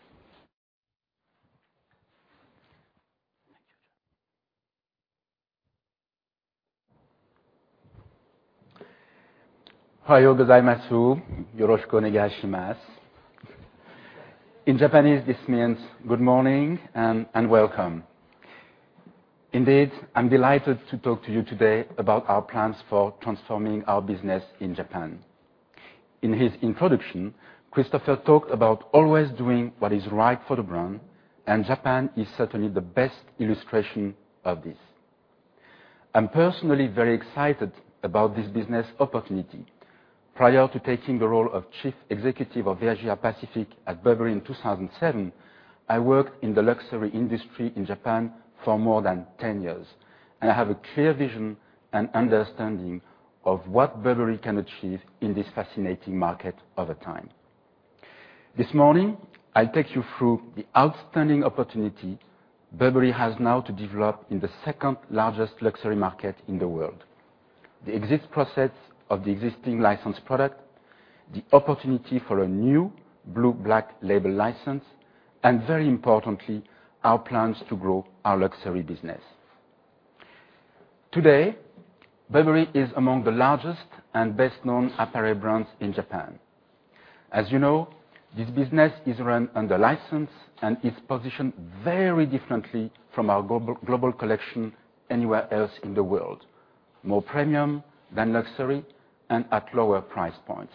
Speaker 5: John. In Japanese, this means good morning and welcome. Indeed, I'm delighted to talk to you today about our plans for transforming our business in Japan. In his introduction, Christopher talked about always doing what is right for the brand, Japan is certainly the best illustration of this. I'm personally very excited about this business opportunity. Prior to taking the role of Chief Executive of LVMH Pacific at Burberry in 2007, I worked in the luxury industry in Japan for more than 10 years. I have a clear vision and understanding of what Burberry can achieve in this fascinating market over time. This morning, I'll take you through the outstanding opportunity Burberry has now to develop in the second largest luxury market in the world. The exit process of the existing licensed product, the opportunity for a new Blue Label, Black Label license, very importantly, our plans to grow our luxury business. Today, Burberry is among the largest and best-known apparel brands in Japan. As you know, this business is run under license and is positioned very differently from our global collection anywhere else in the world. More premium than luxury, at lower price points.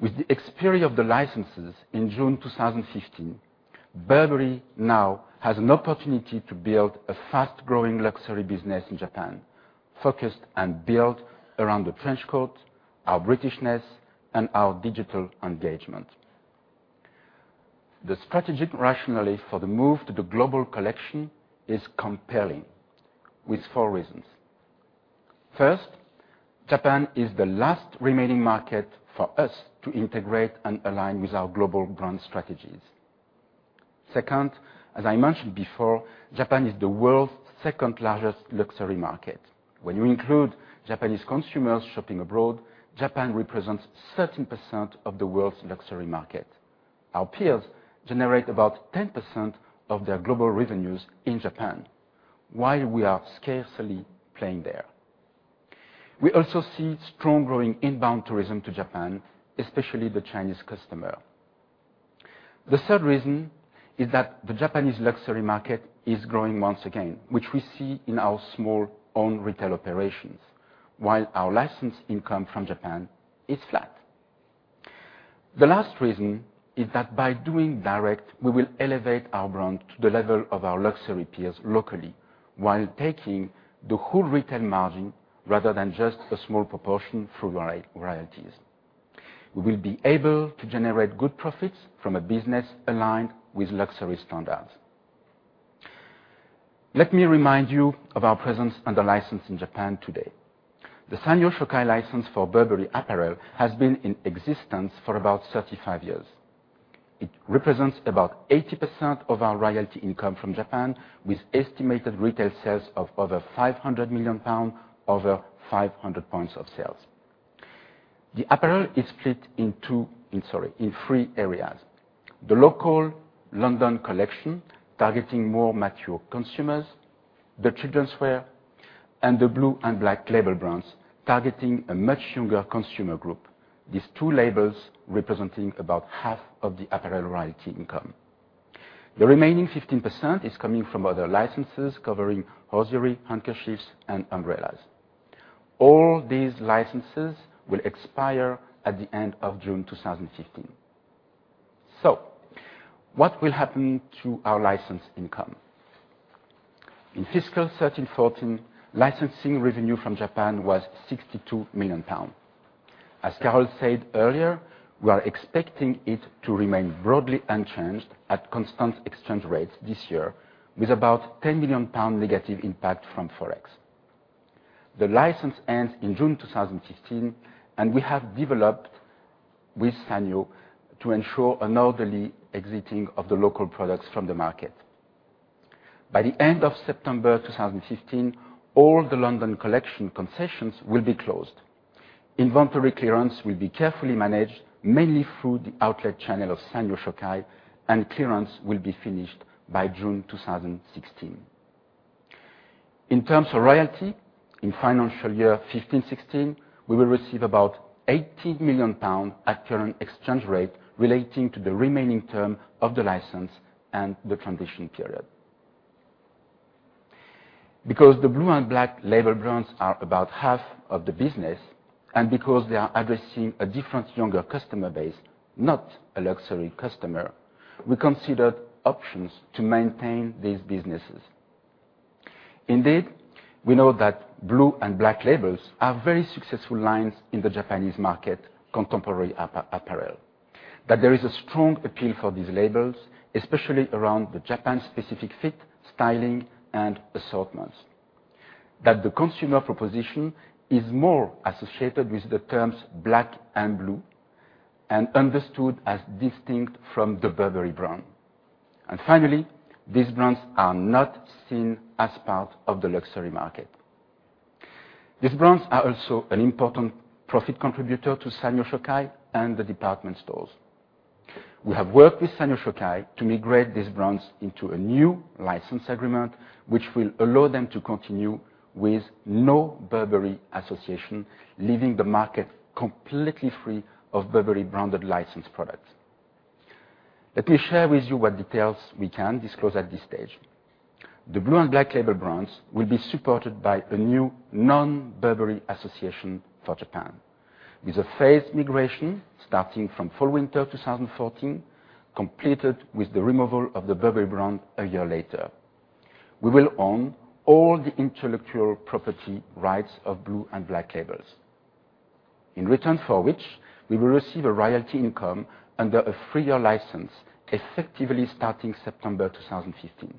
Speaker 5: With the expiry of the licenses in June 2015, Burberry now has an opportunity to build a fast-growing luxury business in Japan, focused and built around the trench coat, our Britishness, and our digital engagement. The strategic rationale for the move to the global collection is compelling, with four reasons. First, Japan is the last remaining market for us to integrate and align with our global brand strategies. Second, as I mentioned before, Japan is the world's second largest luxury market. When you include Japanese consumers shopping abroad, Japan represents 13% of the world's luxury market. Our peers generate about 10% of their global revenues in Japan, while we are scarcely playing there. We also see strong growing inbound tourism to Japan, especially the Chinese customer. The third reason is that the Japanese luxury market is growing once again, which we see in our small own retail operations, while our licensed income from Japan is flat. The last reason is that by doing direct, we will elevate our brand to the level of our luxury peers locally while taking the whole retail margin rather than just a small proportion through royalties. We will be able to generate good profits from a business aligned with luxury standards. Let me remind you of our presence under license in Japan today. The Sanyo Shokai license for Burberry apparel has been in existence for about 35 years. It represents about 80% of our royalty income from Japan, with estimated retail sales of over 500 million pounds, over 500 points of sales. The apparel is split in two, in three areas. The local London collection, targeting more mature consumers, the children's wear, and the Blue Label and Black Label brands, targeting a much younger consumer group. These two labels representing about half of the apparel royalty income. The remaining 15% is coming from other licenses covering hosiery, handkerchiefs, and umbrellas. All these licenses will expire at the end of June 2015. What will happen to our licensed income? In fiscal 2013/2014, licensing revenue from Japan was 62 million pounds. As Carol said earlier, we are expecting it to remain broadly unchanged at constant exchange rates this year, with about 10 million pound negative impact from Forex. The license ends in June 2015. We have developed with Sanyo to ensure an orderly exiting of the local products from the market. By the end of September 2015, all the London collection concessions will be closed. Inventory clearance will be carefully managed, mainly through the outlet channel of Sanyo Shokai, and clearance will be finished by June 2016. In terms of royalty, in financial year 2015/2016, we will receive about 18 million pounds at current exchange rate relating to the remaining term of the license and the transition period. Because the Blue Label and Black Label brands are about half of the business, because they are addressing a different younger customer base, not a luxury customer, we considered options to maintain these businesses. Indeed, we know that Blue Label and Black Label are very successful lines in the Japanese market contemporary apparel, that there is a strong appeal for these labels, especially around the Japan-specific fit, styling, and assortments. That the consumer proposition is more associated with the terms black and blue and understood as distinct from the Burberry brand. Finally, these brands are not seen as part of the luxury market. These brands are also an important profit contributor to Sanyo Shokai and the department stores. We have worked with Sanyo Shokai to migrate these brands into a new license agreement, which will allow them to continue with no Burberry association, leaving the market completely free of Burberry-branded licensed products. Let me share with you what details we can disclose at this stage. The Blue and Black Label brands will be supported by a new non-Burberry association for Japan, with a phased migration starting from fall/winter 2014, completed with the removal of the Burberry brand a year later. We will own all the intellectual property rights of Blue and Black Labels, in return for which we will receive a royalty income under a three-year license effectively starting September 2015.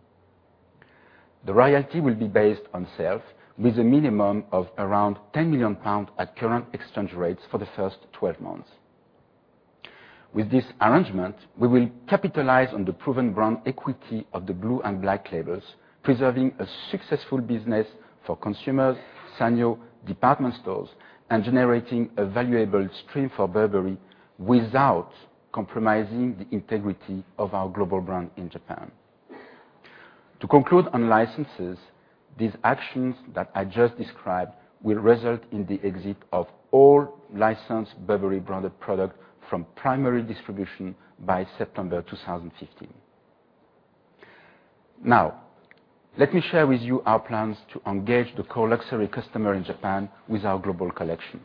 Speaker 5: The royalty will be based on sales with a minimum of around 10 million pounds at current exchange rates for the first 12 months. With this arrangement, we will capitalize on the proven brand equity of the Blue and Black Labels, preserving a successful business for consumers, Sanyo department stores, and generating a valuable stream for Burberry without compromising the integrity of our global brand in Japan. To conclude on licenses, these actions that I just described will result in the exit of all licensed Burberry branded product from primary distribution by September 2015. Let me share with you our plans to engage the core luxury customer in Japan with our global collection.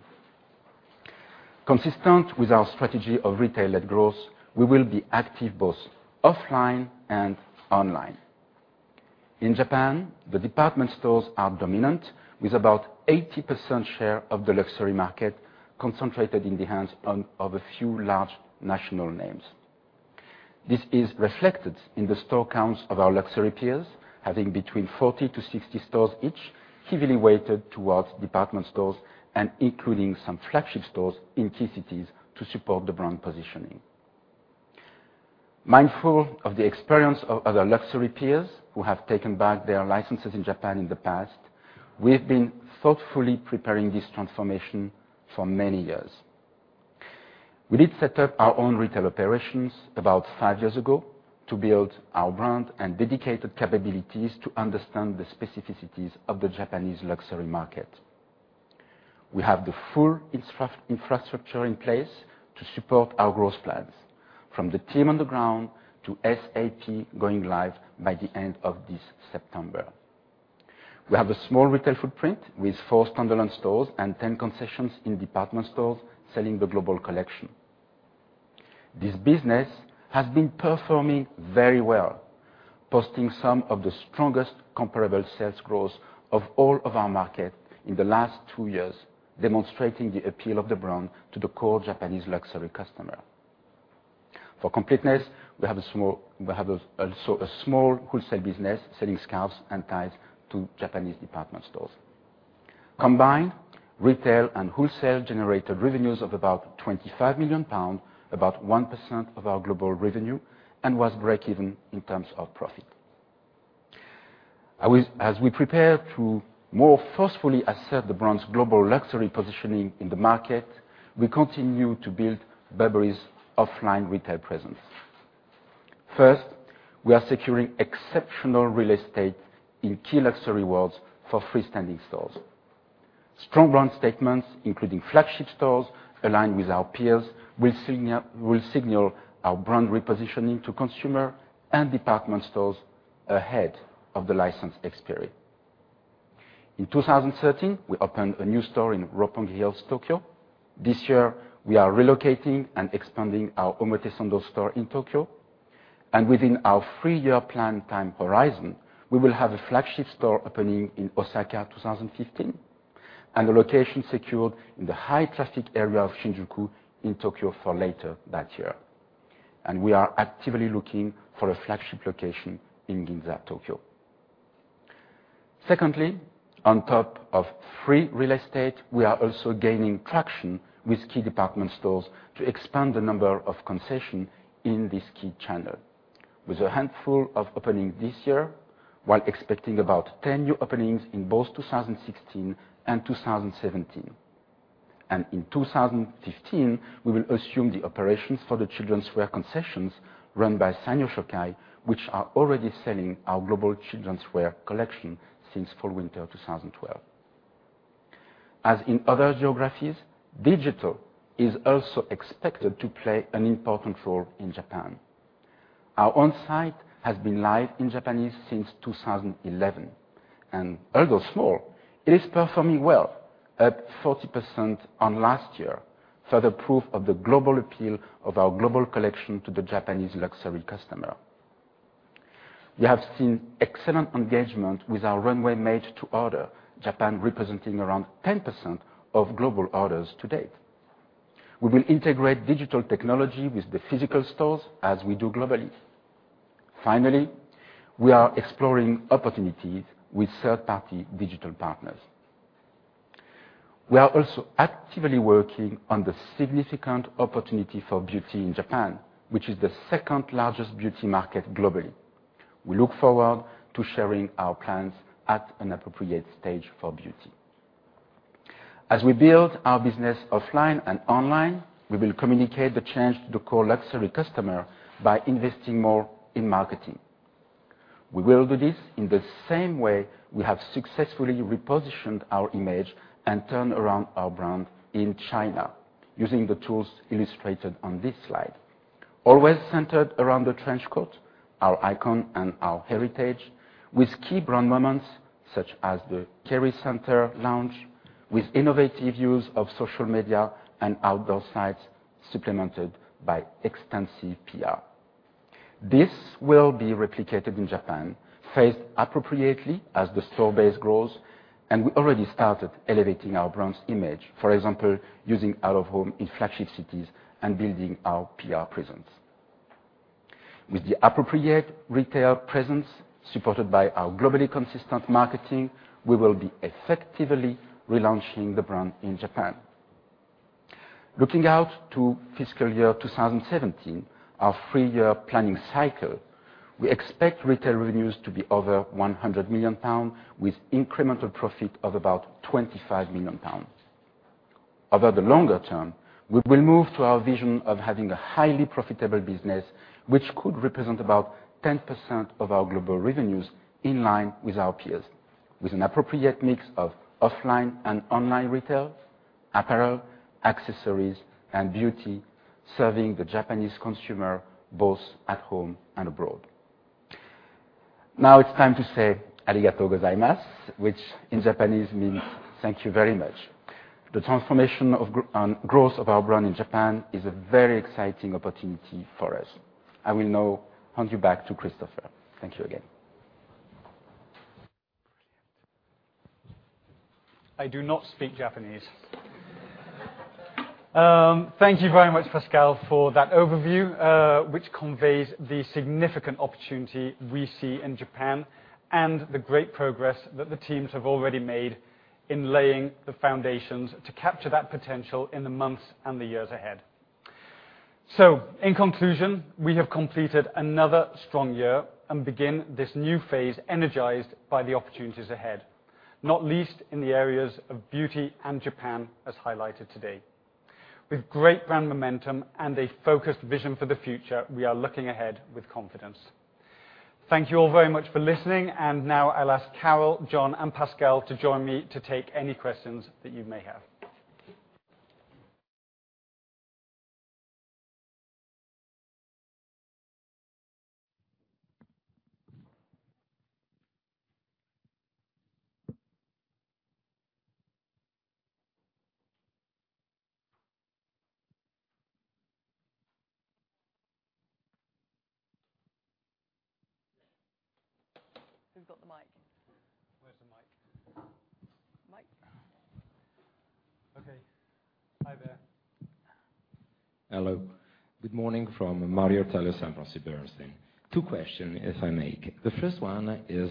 Speaker 5: Consistent with our strategy of retail-led growth, we will be active both offline and online. In Japan, the department stores are dominant with about 80% share of the luxury market concentrated in the hands of a few large national names. This is reflected in the store counts of our luxury peers, having between 40 to 60 stores each, heavily weighted towards department stores and including some flagship stores in key cities to support the brand positioning. Mindful of the experience of other luxury peers who have taken back their licenses in Japan in the past, we have been thoughtfully preparing this transformation for many years. We did set up our own retail operations about five years ago to build our brand and dedicated capabilities to understand the specificities of the Japanese luxury market. We have the full infrastructure in place to support our growth plans, from the team on the ground to SAP going live by the end of this September. We have a small retail footprint with four standalone stores and 10 concessions in department stores selling the global collection. This business has been performing very well, posting some of the strongest comparable sales growth of all of our markets in the last two years, demonstrating the appeal of the brand to the core Japanese luxury customer. For completeness, we have also a small wholesale business selling scarves and ties to Japanese department stores. Combined, retail and wholesale generated revenues of about 25 million pounds, about 1% of our global revenue, and was breakeven in terms of profit. First, we are securing exceptional real estate in key luxury wards for freestanding stores. Strong brand statements, including flagship stores aligned with our peers, will signal our brand repositioning to consumer and department stores ahead of the license expiry. In 2013, we opened a new store in Roppongi Hills, Tokyo. This year, we are relocating and expanding our Omotesando store in Tokyo, and within our three-year plan time horizon, we will have a flagship store opening in Osaka 2015, and a location secured in the high traffic area of Shinjuku in Tokyo for later that year. We are actively looking for a flagship location in Ginza, Tokyo. Secondly, on top of free real estate, we are also gaining traction with key department stores to expand the number of concessions in this key channel, with a handful of openings this year, while expecting about 10 new openings in both 2016 and 2017. In 2015, we will assume the operations for the children's wear concessions run by Sanyo Shokai, which are already selling our global children's wear collection since fall/winter 2012. As in other geographies, digital is also expected to play an important role in Japan. Our own site has been live in Japanese since 2011, and although small, it is performing well at 40% on last year. Further proof of the global appeal of our global collection to the Japanese luxury customer. We have seen excellent engagement with our Runway Made to Order, Japan representing around 10% of global orders to date. We will integrate digital technology with the physical stores as we do globally. Finally, we are exploring opportunities with third-party digital partners. We are also actively working on the significant opportunity for beauty in Japan, which is the second largest beauty market globally. We look forward to sharing our plans at an appropriate stage for beauty. As we build our business offline and online, we will communicate the change to the core luxury customer by investing more in marketing. We will do this in the same way we have successfully repositioned our image and turned around our brand in China using the tools illustrated on this slide. Always centered around the trench coat, our icon, and our heritage with key brand moments, such as the Kerry Centre launch, with innovative use of social media and outdoor sites, supplemented by extensive PR. This will be replicated in Japan, phased appropriately as the store base grows, and we already started elevating our brand's image. For example, using out-of-home in flagship cities and building our PR presence. With the appropriate retail presence supported by our globally consistent marketing, we will be effectively relaunching the brand in Japan. Looking out to fiscal year 2017, our three-year planning cycle, we expect retail revenues to be over 100 million pounds with incremental profit of about 25 million pounds. Over the longer term, we will move to our vision of having a highly profitable business, which could represent about 10% of our global revenues, in line with our peers, with an appropriate mix of offline and online retail, apparel, accessories, and beauty, serving the Japanese consumer both at home and abroad. Now it's time to say arigatou gozaimasu, which in Japanese means thank you very much. The transformation and growth of our brand in Japan is a very exciting opportunity for us. I will now hand you back to Christopher. Thank you again.
Speaker 1: I do not speak Japanese. Thank you very much, Pascal, for that overview, which conveys the significant opportunity we see in Japan and the great progress that the teams have already made in laying the foundations to capture that potential in the months and the years ahead. In conclusion, we have completed another strong year and begin this new phase energized by the opportunities ahead, not least in the areas of beauty and Japan, as highlighted today. With great brand momentum and a focused vision for the future, we are looking ahead with confidence. Thank you all very much for listening. Now I'll ask Carol, John, and Pascal to join me to take any questions that you may have.
Speaker 3: Who's got the mic?
Speaker 1: Where's the mic?
Speaker 3: Mic.
Speaker 1: Okay. Hi there.
Speaker 6: Hello. Good morning from Mario. Two question if I may. The first one is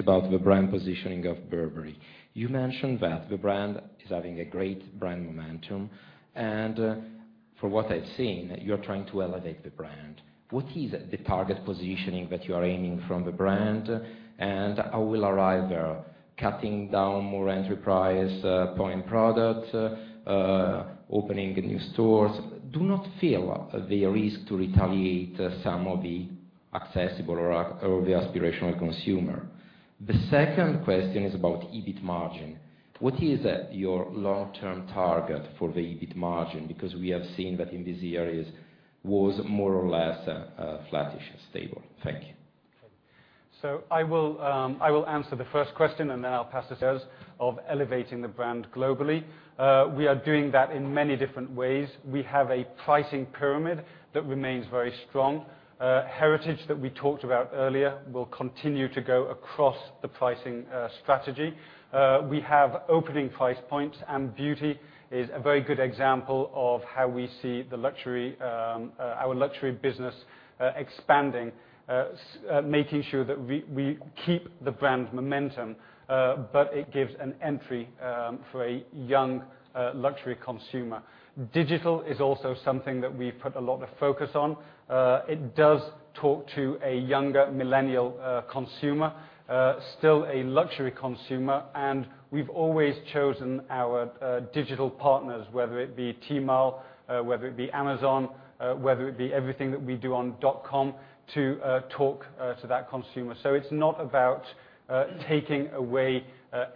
Speaker 6: about the brand positioning of Burberry. You mentioned that the brand is having a great brand momentum, and from what I've seen, you're trying to elevate the brand. What is the target positioning that you are aiming from the brand, and how will arrive there? Cutting down more enterprise point product, opening new stores? Do you not feel the risk to alienate some of the accessible or the aspirational consumer. The second question is about EBIT margin. What is your long-term target for the EBIT margin? Because we have seen that in these years was more or less flattish and stable. Thank you.
Speaker 1: I will answer the first question, and then I'll pass to Carol of elevating the brand globally. We are doing that in many different ways. We have a pricing pyramid that remains very strong. Heritage that we talked about earlier will continue to go across the pricing strategy. We have opening price points, and beauty is a very good example of how we see our luxury business expanding, making sure that we keep the brand momentum, but it gives an entry for a young luxury consumer. Digital is also something that we've put a lot of focus on. It does talk to a younger millennial consumer, still a luxury consumer, and we've always chosen our digital partners, whether it be Tmall, whether it be Amazon, whether it be everything that we do on burberry.com, to talk to that consumer. It's not about taking away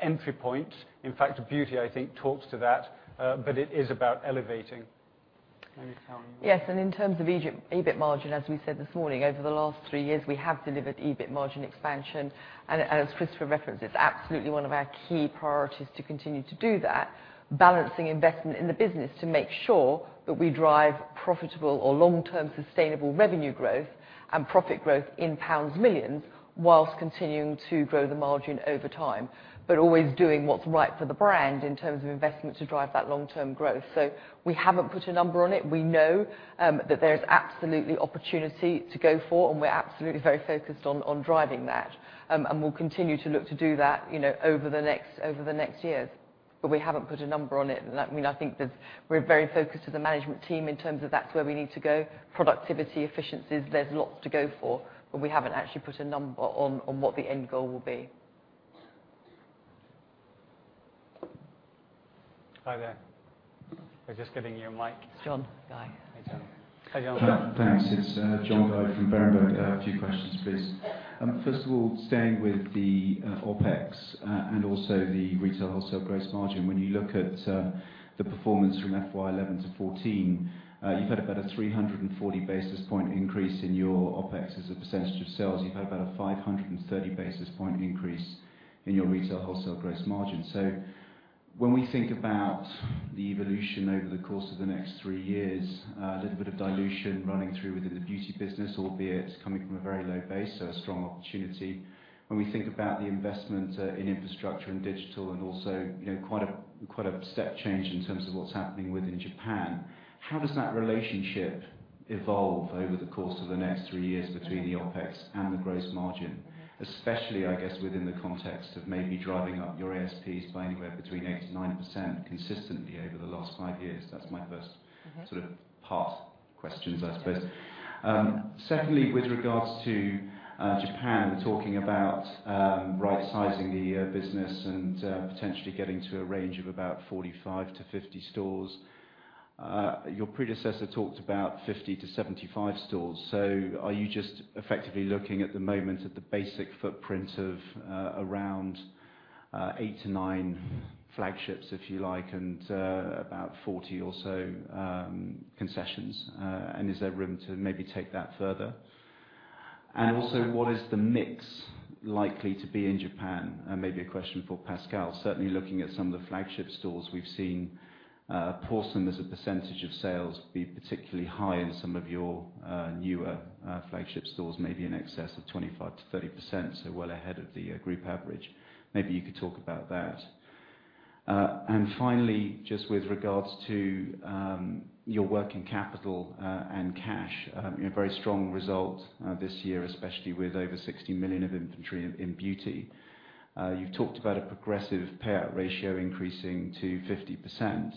Speaker 1: entry points. In fact, beauty, I think, talks to that. It is about elevating. Let me Carol.
Speaker 3: In terms of EBIT margin, as we said this morning, over the last three years, we have delivered EBIT margin expansion. As Christopher referenced, it's absolutely one of our key priorities to continue to do that, balancing investment in the business to make sure that we drive profitable or long-term sustainable revenue growth and profit growth in pounds millions, whilst continuing to grow the margin over time. Always doing what's right for the brand in terms of investment to drive that long-term growth. We haven't put a number on it. We know that there's absolutely opportunity to go for, and we're absolutely very focused on driving that. We'll continue to look to do that over the next years. We haven't put a number on it. I think that we're very focused as a management team in terms of that's where we need to go. Productivity, efficiencies, there's lots to go for, but we haven't actually put a number on what the end goal will be. Hi there. We're just getting you a mic.
Speaker 1: John Guy.
Speaker 3: Hi, John.
Speaker 7: Hello. Thanks. It's John Guy from Berenberg. A few questions, please. First of all, staying with the OpEx and also the retail wholesale gross margin, when you look at the performance from FY 2011 to 2014, you've had about a 340 basis point increase in your OpEx as a percentage of sales. You've had about a 530 basis point increase in your retail wholesale gross margin. When we think about the evolution over the course of the next three years, a little bit of dilution running through within the beauty business, albeit coming from a very low base, so a strong opportunity. When we think about the investment in infrastructure and digital and also quite a step change in terms of what's happening within Japan, how does that relationship evolve over the course of the next three years between the OpEx and the gross margin? Especially, I guess, within the context of maybe driving up your ASPs by anywhere between 8%-9% consistently over the last five years. That's my first sort of part questions, I suppose.
Speaker 3: Yeah.
Speaker 7: Secondly, with regards to Japan, we're talking about right-sizing the business and potentially getting to a range of about 45-50 stores. Your predecessor talked about 50-75 stores. Are you just effectively looking at the moment at the basic footprint of around eight to nine flagships, if you like, and about 40 or so concessions? Is there room to maybe take that further? Also, what is the mix likely to be in Japan? Maybe a question for Pascal. Certainly, looking at some of the flagship stores, we've seen Prorsum as a percentage of sales be particularly high in some of your newer flagship stores, maybe in excess of 25%-30%, so well ahead of the group average. Maybe you could talk about that. Finally, just with regards to your working capital and cash, a very strong result this year, especially with over 60 million of inventory in Beauty. You've talked about a progressive payout ratio increasing to 50%.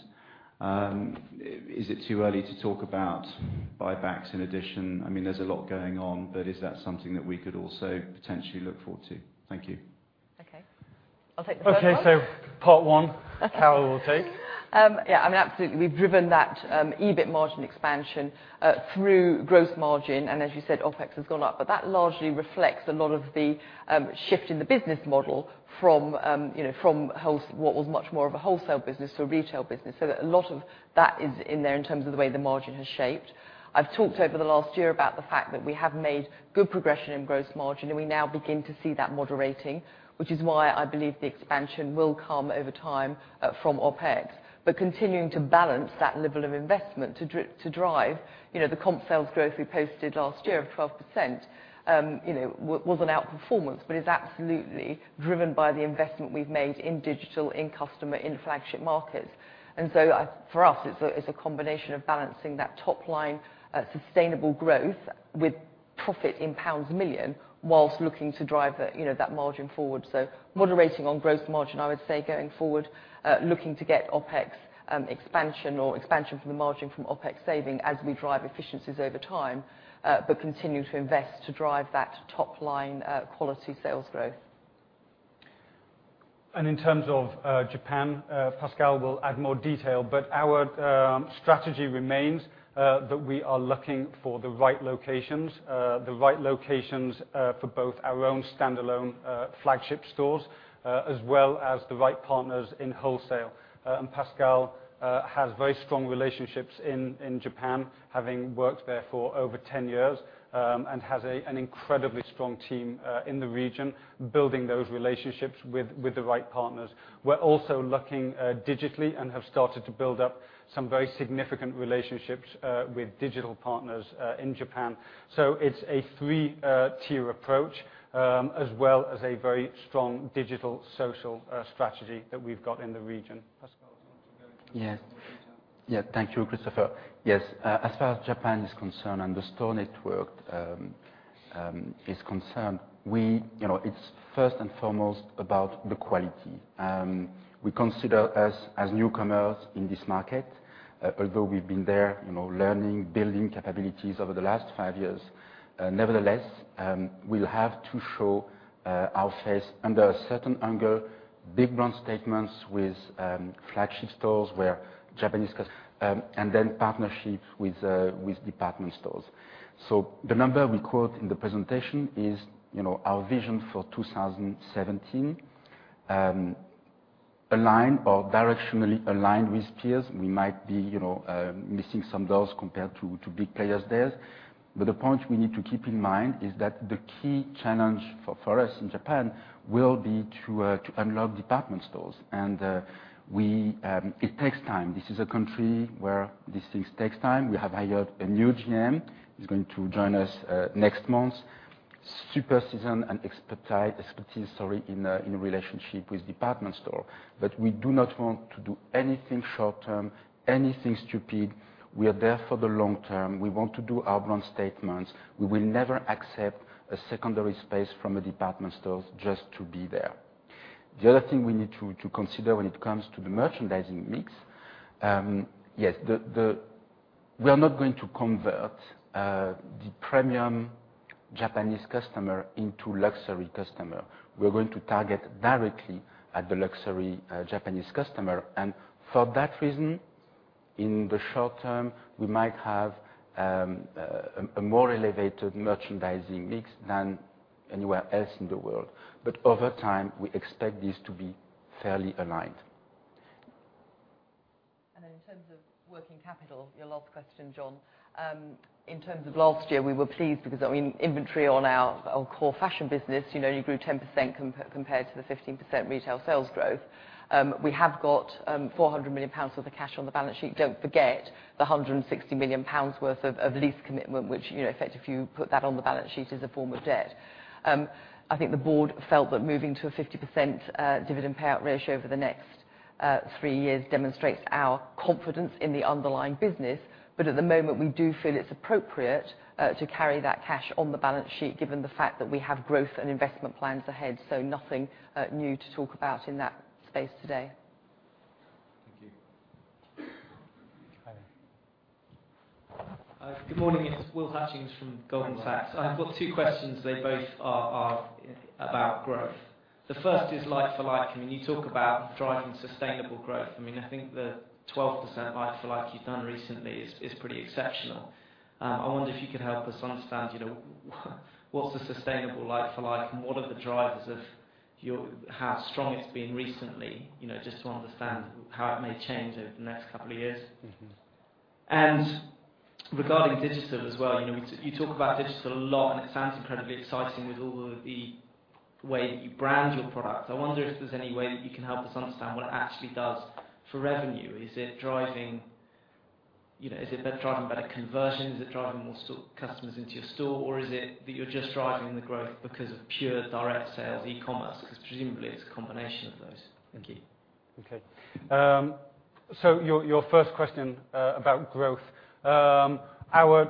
Speaker 7: Is it too early to talk about buybacks in addition? I mean, there's a lot going on, but is that something that we could also potentially look forward to? Thank you.
Speaker 3: Okay. I'll take the first one.
Speaker 1: Okay, part one.
Speaker 3: Okay.
Speaker 1: Carol will take.
Speaker 3: I mean, absolutely. We've driven that EBIT margin expansion through gross margin, and as you said, OpEx has gone up. That largely reflects a lot of the shift in the business model from what was much more of a wholesale business to a retail business. A lot of that is in there in terms of the way the margin has shaped. I've talked over the last year about the fact that we have made good progression in gross margin, and we now begin to see that moderating, which is why I believe the expansion will come over time from OpEx. Continuing to balance that level of investment to drive the comp sales growth we posted last year of 12% was an outperformance, but is absolutely driven by the investment we've made in digital, in customer, in flagship markets. For us, it's a combination of balancing that top-line sustainable growth with profit in pounds million whilst looking to drive that margin forward. Moderating on gross margin, I would say, going forward, looking to get OpEx expansion or expansion from the margin from OpEx saving as we drive efficiencies over time, continue to invest to drive that top-line quality sales growth.
Speaker 1: In terms of Japan, Pascal will add more detail, but our strategy remains that we are looking for the right locations, the right locations for both our own standalone flagship stores, as well as the right partners in wholesale. Pascal has very strong relationships in Japan, having worked there for over 10 years, and has an incredibly strong team in the region building those relationships with the right partners. We are also looking digitally and have started to build up some very significant relationships with digital partners in Japan. It's a 3-tier approach, as well as a very strong digital, social strategy that we've got in the region. Pascal, do you want to go into more detail?
Speaker 5: Yes. Thank you, Christopher. Yes. As far as Japan is concerned and the store network is concerned, it is first and foremost about the quality. We consider us as newcomers in this market. Although we have been there learning, building capabilities over the last five years, nevertheless, we will have to show our face under a certain angle, big brand statements with flagship stores where Japanese customers, and then partnership with department stores. The number we quote in the presentation is our vision for 2017, directionally aligned with peers. We might be missing some doors compared to big players there. The point we need to keep in mind is that the key challenge for us in Japan will be to unlock department stores, and it takes time. This is a country where these things take time. We have hired a new GM, who is going to join us next month. He is super seasoned and has expertise in relationship with department store. We do not want to do anything short term, anything stupid. We are there for the long term. We want to do our brand statements. We will never accept a secondary space from a department store just to be there. The other thing we need to consider when it comes to the merchandising mix, yes, the We are not going to convert the premium Japanese customer into luxury customer. We are going to target directly at the luxury Japanese customer. For that reason, in the short term, we might have a more elevated merchandising mix than anywhere else in the world. Over time, we expect this to be fairly aligned.
Speaker 3: In terms of working capital, your last question, John, in terms of last year, we were pleased because inventory on our core fashion business only grew 10% compared to the 15% retail sales growth. We have got 400 million pounds worth of cash on the balance sheet. Don't forget the 160 million pounds worth of lease commitment, which, in effect, if you put that on the balance sheet, is a form of debt. I think the board felt that moving to a 50% dividend payout ratio over the next three years demonstrates our confidence in the underlying business. At the moment, we do feel it's appropriate to carry that cash on the balance sheet, given the fact that we have growth and investment plans ahead. Nothing new to talk about in that space today.
Speaker 7: Thank you.
Speaker 8: Good morning. It's Will Hutchings from Goldman Sachs. I've got two questions. They both are about growth. The first is like for like. You talk about driving sustainable growth. I think the 12% like for like you've done recently is pretty exceptional. I wonder if you could help us understand what's the sustainable like for like, and what are the drivers of how strong it's been recently, just to understand how it may change over the next couple of years. Regarding digital as well, you talk about digital a lot, and it sounds incredibly exciting with all of the way that you brand your products. I wonder if there's any way that you can help us understand what it actually does for revenue. Is it driving better conversion? Is it driving more customers into your store? Or is it that you're just driving the growth because of pure direct sales, e-commerce? Because presumably, it's a combination of those. Thank you.
Speaker 1: Your first question about growth. Our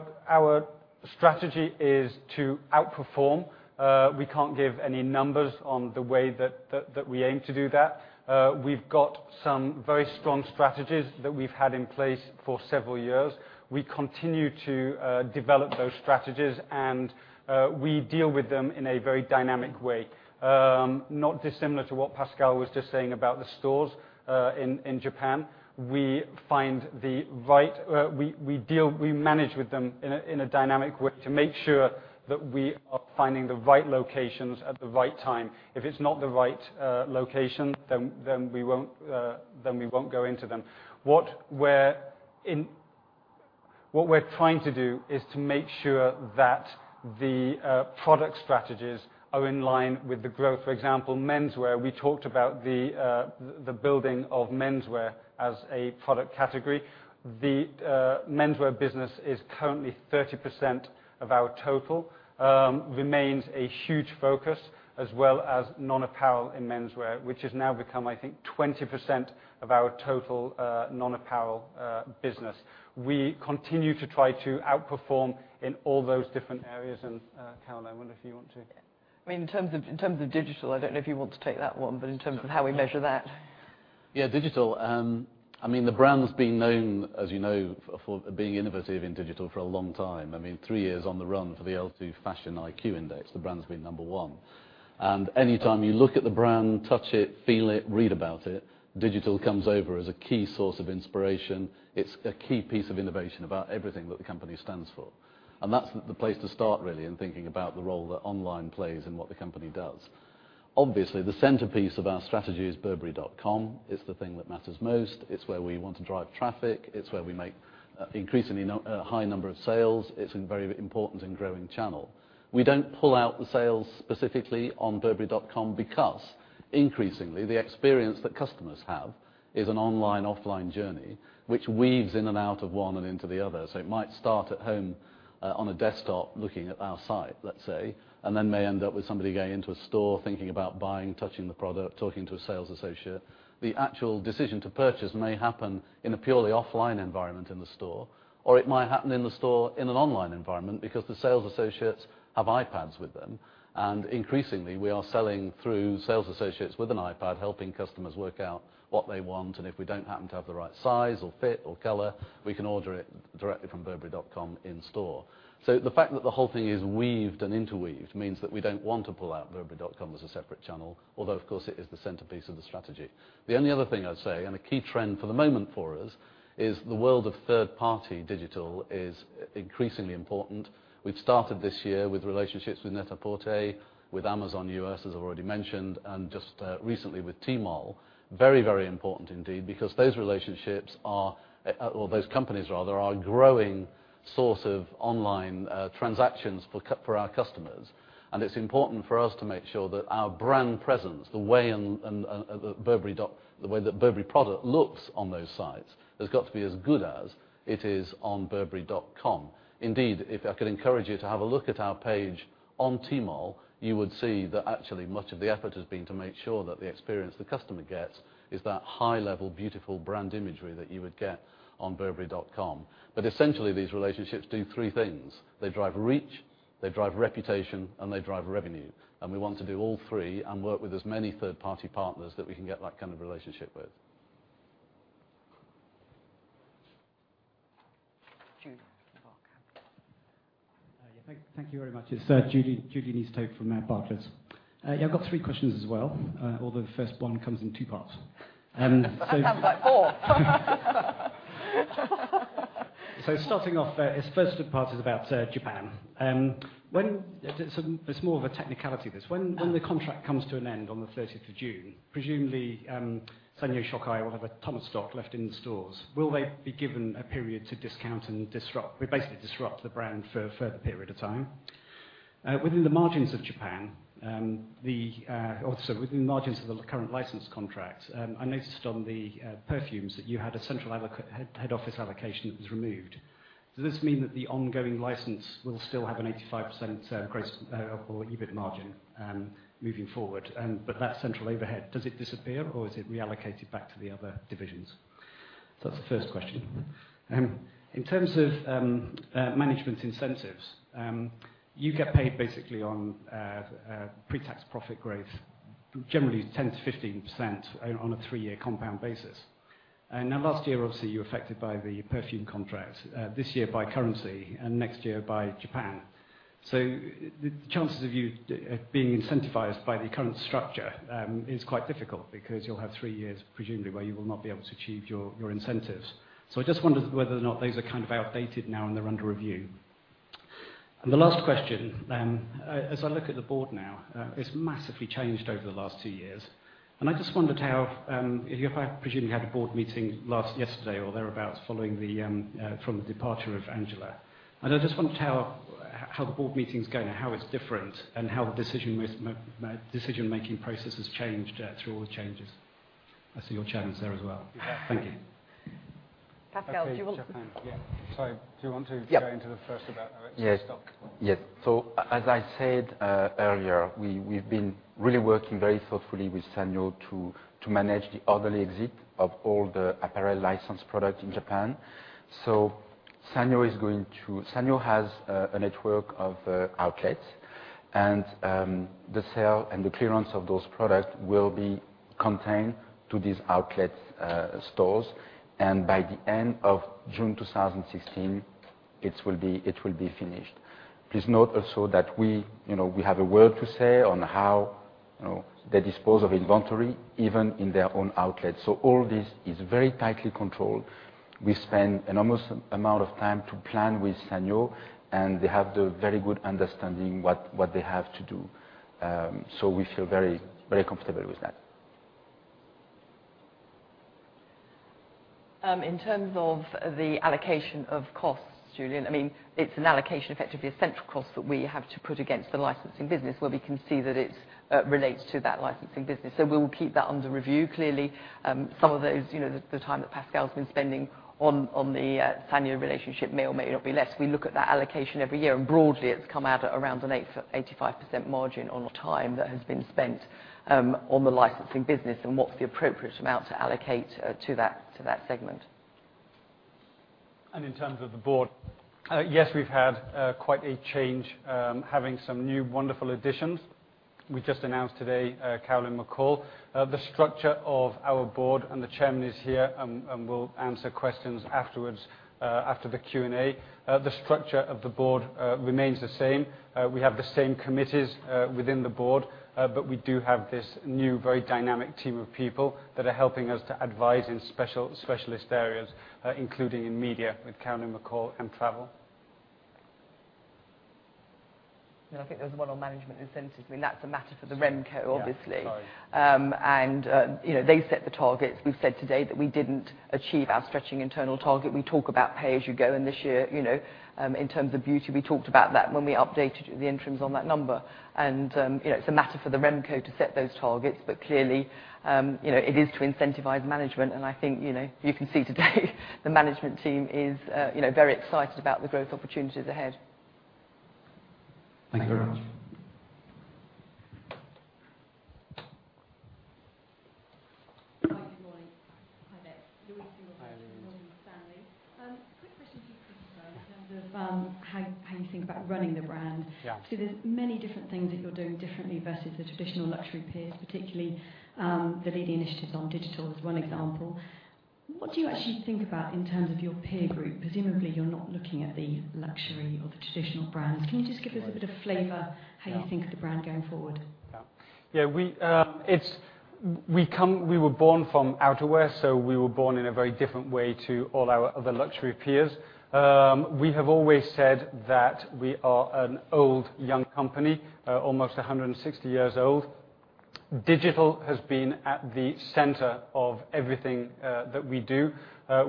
Speaker 1: strategy is to outperform. We can't give any numbers on the way that we aim to do that. We've got some very strong strategies that we've had in place for several years. We continue to develop those strategies, and we deal with them in a very dynamic way. Not dissimilar to what Pascal was just saying about the stores in Japan. We manage with them in a dynamic way to make sure that we are finding the right locations at the right time. If it's not the right location, then we won't go into them. What we're trying to do is to make sure that the product strategies are in line with the growth. For example, menswear, we talked about the building of menswear as a product category. The menswear business is currently 30% of our total, remains a huge focus, as well as non-apparel in menswear, which has now become, I think, 20% of our total non-apparel business. We continue to try to outperform in all those different areas. Carol, I wonder if you want to-
Speaker 3: In terms of digital, I don't know if you want to take that one, but in terms of how we measure that.
Speaker 4: Yeah, digital. The brand's been known, as you know, for being innovative in digital for a long time. Three years on the run for the L2 Digital IQ Index, the brand's been number one. Anytime you look at the brand, touch it, feel it, read about it, digital comes over as a key source of inspiration. It's a key piece of innovation about everything that the company stands for. That's the place to start, really, in thinking about the role that online plays in what the company does. Obviously, the centerpiece of our strategy is burberry.com. It's the thing that matters most. It's where we want to drive traffic. It's where we make increasingly high number of sales. It's a very important and growing channel. We don't pull out the sales specifically on burberry.com because increasingly, the experience that customers have is an online-offline journey which weaves in and out of one and into the other. It might start at home on a desktop looking at our site, let's say, and then may end up with somebody going into a store thinking about buying, touching the product, talking to a sales associate. The actual decision to purchase may happen in a purely offline environment in the store, or it might happen in the store in an online environment because the sales associates have iPads with them. Increasingly, we are selling through sales associates with an iPad, helping customers work out what they want, and if we don't happen to have the right size or fit or color, we can order it directly from burberry.com in store. The fact that the whole thing is weaved and interweaved means that we don't want to pull out burberry.com as a separate channel, although, of course, it is the centerpiece of the strategy. The only other thing I'd say, a key trend for the moment for us is the world of third-party digital is increasingly important. We've started this year with relationships with Net-a-Porter, with Amazon U.S., as I already mentioned, and just recently with Tmall. Very, very important indeed, because those relationships are, or those companies rather, are a growing source of online transactions for our customers. It's important for us to make sure that our brand presence, the way that Burberry product looks on those sites, has got to be as good as it is on burberry.com. Indeed, if I could encourage you to have a look at our page on Tmall, you would see that actually much of the effort has been to make sure that the experience the customer gets is that high-level, beautiful brand imagery that you would get on burberry.com. Essentially, these relationships do three things: They drive reach They drive reputation and they drive revenue. We want to do all three and work with as many third-party partners that we can get that kind of relationship with.
Speaker 3: Julian Easthope.
Speaker 9: Thank you very much. It is Julian Easthope from Barclays. I have got three questions as well, although the first one comes in two parts.
Speaker 3: That sounds like four.
Speaker 9: Starting off, its first part is about Japan. It is more of a technicality, this. When the contract comes to an end on the 30th of June, presumably Sanyo Shokai will have a ton of stock left in the stores. Will they be given a period to discount and basically disrupt the brand for a further period of time? Within the margins of the current license contracts, I noticed on the perfumes that you had a central head office allocation that was removed. Does this mean that the ongoing license will still have an 85% gross or EBIT margin moving forward? That central overhead, does it disappear or is it reallocated back to the other divisions? That is the first question. In terms of management incentives, you get paid basically on pre-tax profit growth, generally 10%-15% on a three-year compound basis. Now last year, obviously, you were affected by the perfume contract, this year by currency and next year by Japan. The chances of you being incentivized by the current structure is quite difficult because you'll have 3 years, presumably, where you will not be able to achieve your incentives. I just wondered whether or not those are kind of outdated now and they're under review. The last question, as I look at the board now, it's massively changed over the last two years. You have presumably had a board meeting yesterday or thereabouts from the departure of Angela. I just wondered how the board meeting's going, how it's different and how the decision-making process has changed through all the changes. I see your chairman's there as well. Thank you.
Speaker 3: Pascal, do you want-
Speaker 5: Yeah.
Speaker 1: Sorry, do you want to go into the first about the rest of the stock?
Speaker 5: Yes. As I said earlier, we've been really working very thoughtfully with Sanyo to manage the orderly exit of all the apparel license product in Japan. Sanyo has a network of outlets and the sale and the clearance of those products will be contained to these outlet stores. By the end of June 2016, it will be finished. Please note also that we have a word to say on how they dispose of inventory even in their own outlets. All this is very tightly controlled. We spend an enormous amount of time to plan with Sanyo and they have the very good understanding what they have to do. We feel very comfortable with that.
Speaker 3: In terms of the allocation of costs, Julian, it's an allocation effectively of central costs that we have to put against the licensing business where we can see that it relates to that licensing business. We will keep that under review. Clearly, some of those, the time that Pascal's been spending on the Sanyo relationship may or may not be less. We look at that allocation every year and broadly it's come out at around an 85% margin on the time that has been spent on the licensing business and what's the appropriate amount to allocate to that segment.
Speaker 1: In terms of the board, yes, we've had quite a change, having some new wonderful additions. We just announced today Carolyn McCall. The structure of our board and the chairman is here and will answer questions afterwards, after the Q&A. The structure of the board remains the same. We have the same committees within the board, but we do have this new very dynamic team of people that are helping us to advise in specialist areas, including in media with Carolyn McCall and travel.
Speaker 3: I think there was one on management incentives. That's a matter for the RemCo, obviously.
Speaker 1: Yeah, sorry.
Speaker 3: They set the targets. We've said today that we didn't achieve our stretching internal target. We talk about pay as you go and this year, in terms of beauty we talked about that when we updated the interims on that number. It's a matter for the RemCo to set those targets, but clearly it is to incentivize management and I think you can see today the management team is very excited about the growth opportunities ahead.
Speaker 9: Thank you very much.
Speaker 10: Hi, good morning. Hi there. Louise from Morgan Stanley.
Speaker 1: Hi, Louise.
Speaker 10: Quick question for you, Christopher, in terms of how you think about running the brand.
Speaker 1: Yeah.
Speaker 10: There's many different things that you're doing differently versus the traditional luxury peers, particularly the leading initiatives on digital is one example. What do you actually think about in terms of your peer group? Presumably you're not looking at the luxury or the traditional brands. Can you just give us a bit of flavor how you think of the brand going forward?
Speaker 1: Yeah. We were born from outerwear, we were born in a very different way to all our other luxury peers. We have always said that we are an old young company, almost 160 years old. Digital has been at the center of everything that we do.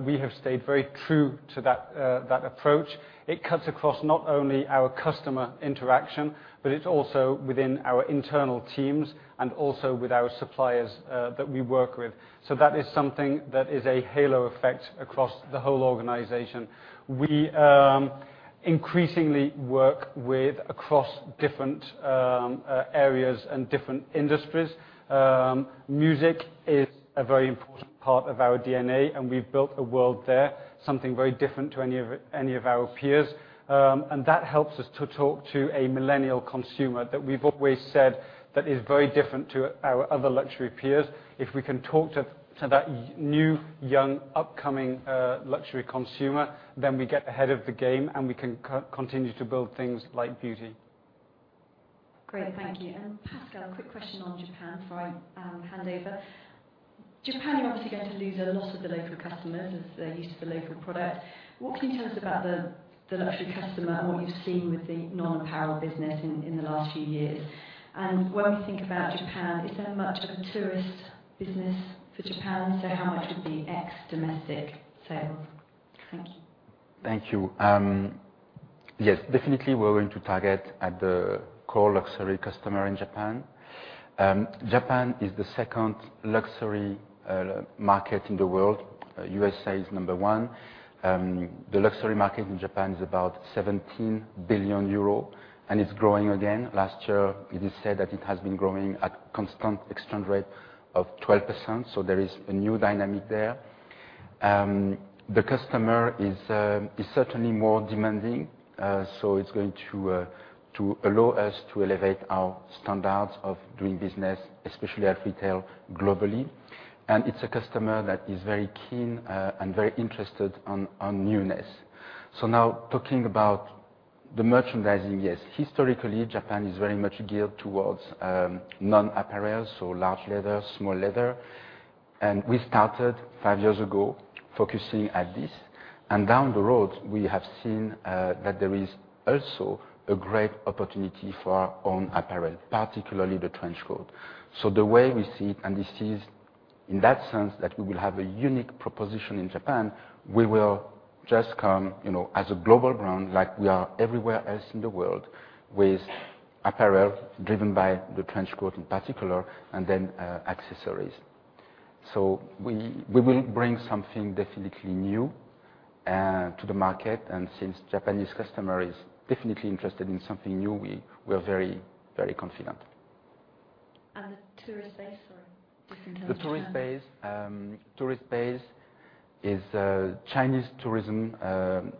Speaker 1: We have stayed very true to that approach. It cuts across not only our customer interaction, but it's also within our internal teams and also with our suppliers that we work with. That is something that is a halo effect across the whole organization. Increasingly work with across different areas and different industries. Music is a very important part of our DNA, we've built a world there, something very different to any of our peers. That helps us to talk to a millennial consumer that we've always said that is very different to our other luxury peers. If we can talk to that new, young, upcoming luxury consumer, we get ahead of the game, we can continue to build things like beauty.
Speaker 10: Great. Thank you. Pascal, quick question on Japan before I hand over. Japan, you're obviously going to lose a lot of the local customers, as they're used to the local product. What can you tell us about the luxury customer and what you've seen with the non-apparel business in the last five years? When we think about Japan, is there much of a tourist business for Japan? How much would be ex-domestic sales? Thank you.
Speaker 5: Thank you. Yes, definitely, we're going to target at the core luxury customer in Japan. Japan is the second luxury market in the world. USA is number one. The luxury market in Japan is about 17 billion euro, and it's growing again. Last year, it is said that it has been growing at constant exchange rate of 12%, there is a new dynamic there. The customer is certainly more demanding, so it's going to allow us to elevate our standards of doing business, especially at retail globally. It's a customer that is very keen and very interested on newness. Now talking about the merchandising, yes, historically, Japan is very much geared towards non-apparel, so large leather, small leather. We started five years ago focusing at this. Down the road, we have seen that there is also a great opportunity for our own apparel, particularly the trench coat. The way we see it, and this is in that sense that we will have a unique proposition in Japan, we will just come as a global brand, like we are everywhere else in the world, with apparel driven by the trench coat in particular, and then accessories. We will bring something definitely new to the market. Since Japanese customer is definitely interested in something new, we're very confident.
Speaker 10: The tourist base for just in terms of Japan.
Speaker 5: The tourist base is Chinese tourism.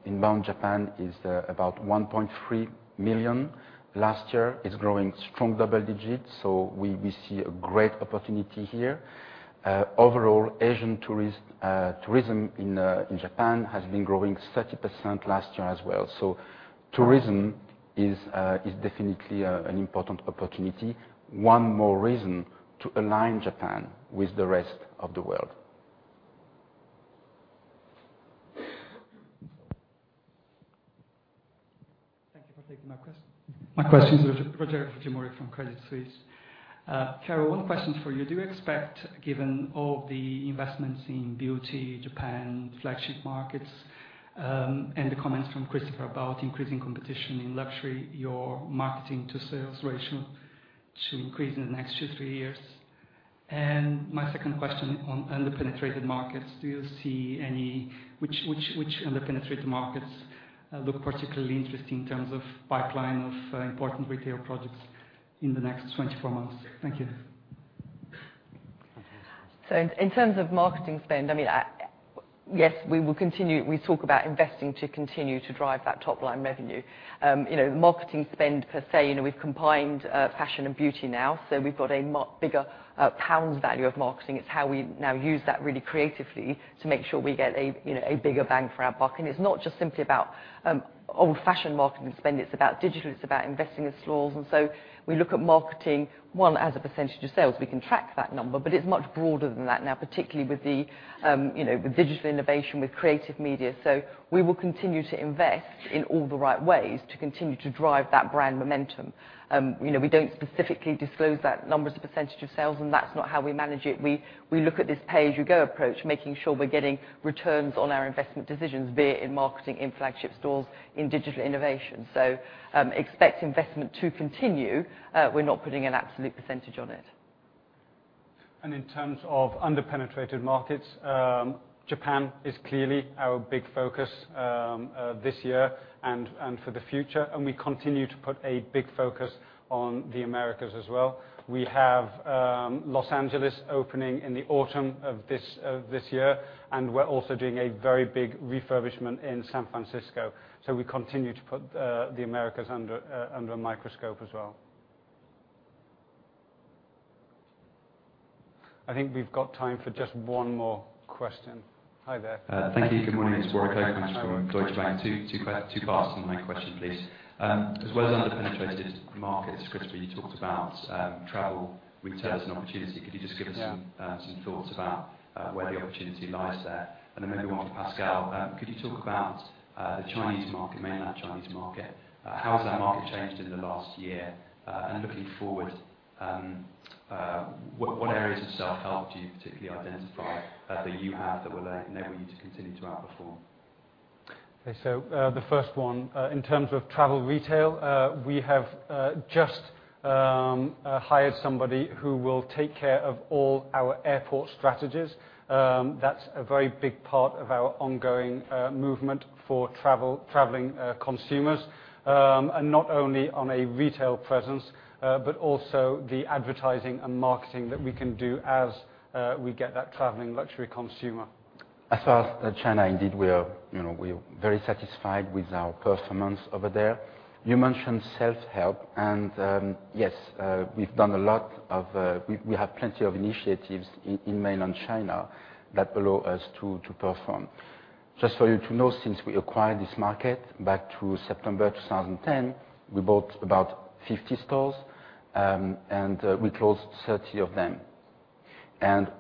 Speaker 5: Inbound Japan is about 1.3 million last year. It's growing strong double digits, so we see a great opportunity here. Overall, Asian tourism in Japan has been growing 30% last year as well. Tourism is definitely an important opportunity. One more reason to align Japan with the rest of the world.
Speaker 11: Thank you for taking my question. My question, Rogerio Fujimori from Credit Suisse. Carol, one question for you. Do you expect, given all the investments in beauty, Japan, flagship markets, and the comments from Christopher about increasing competition in luxury, your marketing-to-sales ratio to increase in the next two, three years? My second question on under-penetrated markets, which under-penetrated markets look particularly interesting in terms of pipeline of important retail projects in the next 24 months? Thank you.
Speaker 1: Thanks.
Speaker 3: In terms of marketing spend, yes, we will continue. We talk about investing to continue to drive that top-line revenue. Marketing spend per se, we've combined fashion and beauty now, so we've got a bigger GBP value of marketing. It's how we now use that really creatively to make sure we get a bigger bang for our buck. It's not just simply about old-fashioned marketing spend. It's about digital. It's about investing in stores. We look at marketing, one, as a percentage of sales. We can track that number. It's much broader than that now, particularly with digital innovation, with creative media. We will continue to invest in all the right ways to continue to drive that brand momentum. We don't specifically disclose that number as a percentage of sales, and that's not how we manage it. We look at this pay-as-you-go approach, making sure we're getting returns on our investment decisions, be it in marketing, in flagship stores, in digital innovation. Expect investment to continue. We're not putting an absolute percentage on it.
Speaker 1: In terms of under-penetrated markets, Japan is clearly our big focus this year and for the future. We continue to put a big focus on the Americas as well. We have Los Angeles opening in the autumn of this year, we're also doing a very big refurbishment in San Francisco. We continue to put the Americas under a microscope as well. I think we've got time for just one more question. Hi there.
Speaker 12: Thank you. Good morning. It's Warwick Okines from Deutsche Bank. Two parts on my question, please.
Speaker 1: Yeah.
Speaker 12: As well as under-penetrated markets, Christopher, you talked about travel retail as an opportunity. Could you just give us
Speaker 1: Yeah
Speaker 12: thoughts about where the opportunity lies there? Then maybe one for Pascal. Could you talk about the Chinese market, mainland Chinese market? How has that market changed in the last year? Looking forward, what areas of self-help do you particularly identify that you have that will enable you to continue to outperform?
Speaker 1: The first one, in terms of travel retail, we have just hired somebody who will take care of all our airport strategies. That's a very big part of our ongoing movement for traveling consumers, not only on a retail presence, but also the advertising and marketing that we can do as we get that traveling luxury consumer.
Speaker 5: As far as China, indeed, we are very satisfied with our performance over there. You mentioned self-help. Yes, we have plenty of initiatives in mainland China that allow us to perform. Just for you to know, since we acquired this market back to September 2010, we bought about 50 stores. We closed 30 of them.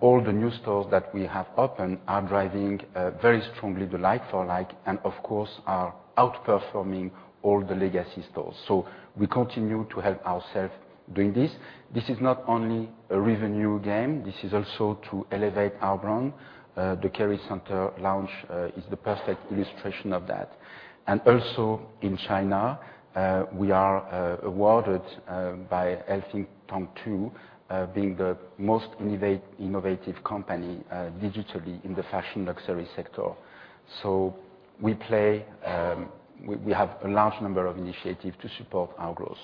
Speaker 5: All the new stores that we have opened are driving very strongly the like-for-like, and of course, are outperforming all the legacy stores. We continue to help ourself doing this. This is not only a revenue game. This is also to elevate our brand. The Kerry Centre launch is the perfect illustration of that. Also in China, we are awarded by Eltinge Tongji being the most innovative company digitally in the fashion luxury sector. We have a large number of initiatives to support our growth.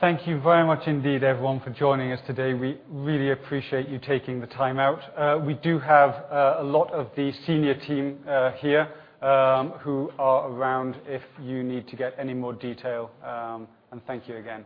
Speaker 1: Thank you very much indeed, everyone, for joining us today. We really appreciate you taking the time out. We do have a lot of the senior team here who are around if you need to get any more detail. Thank you again.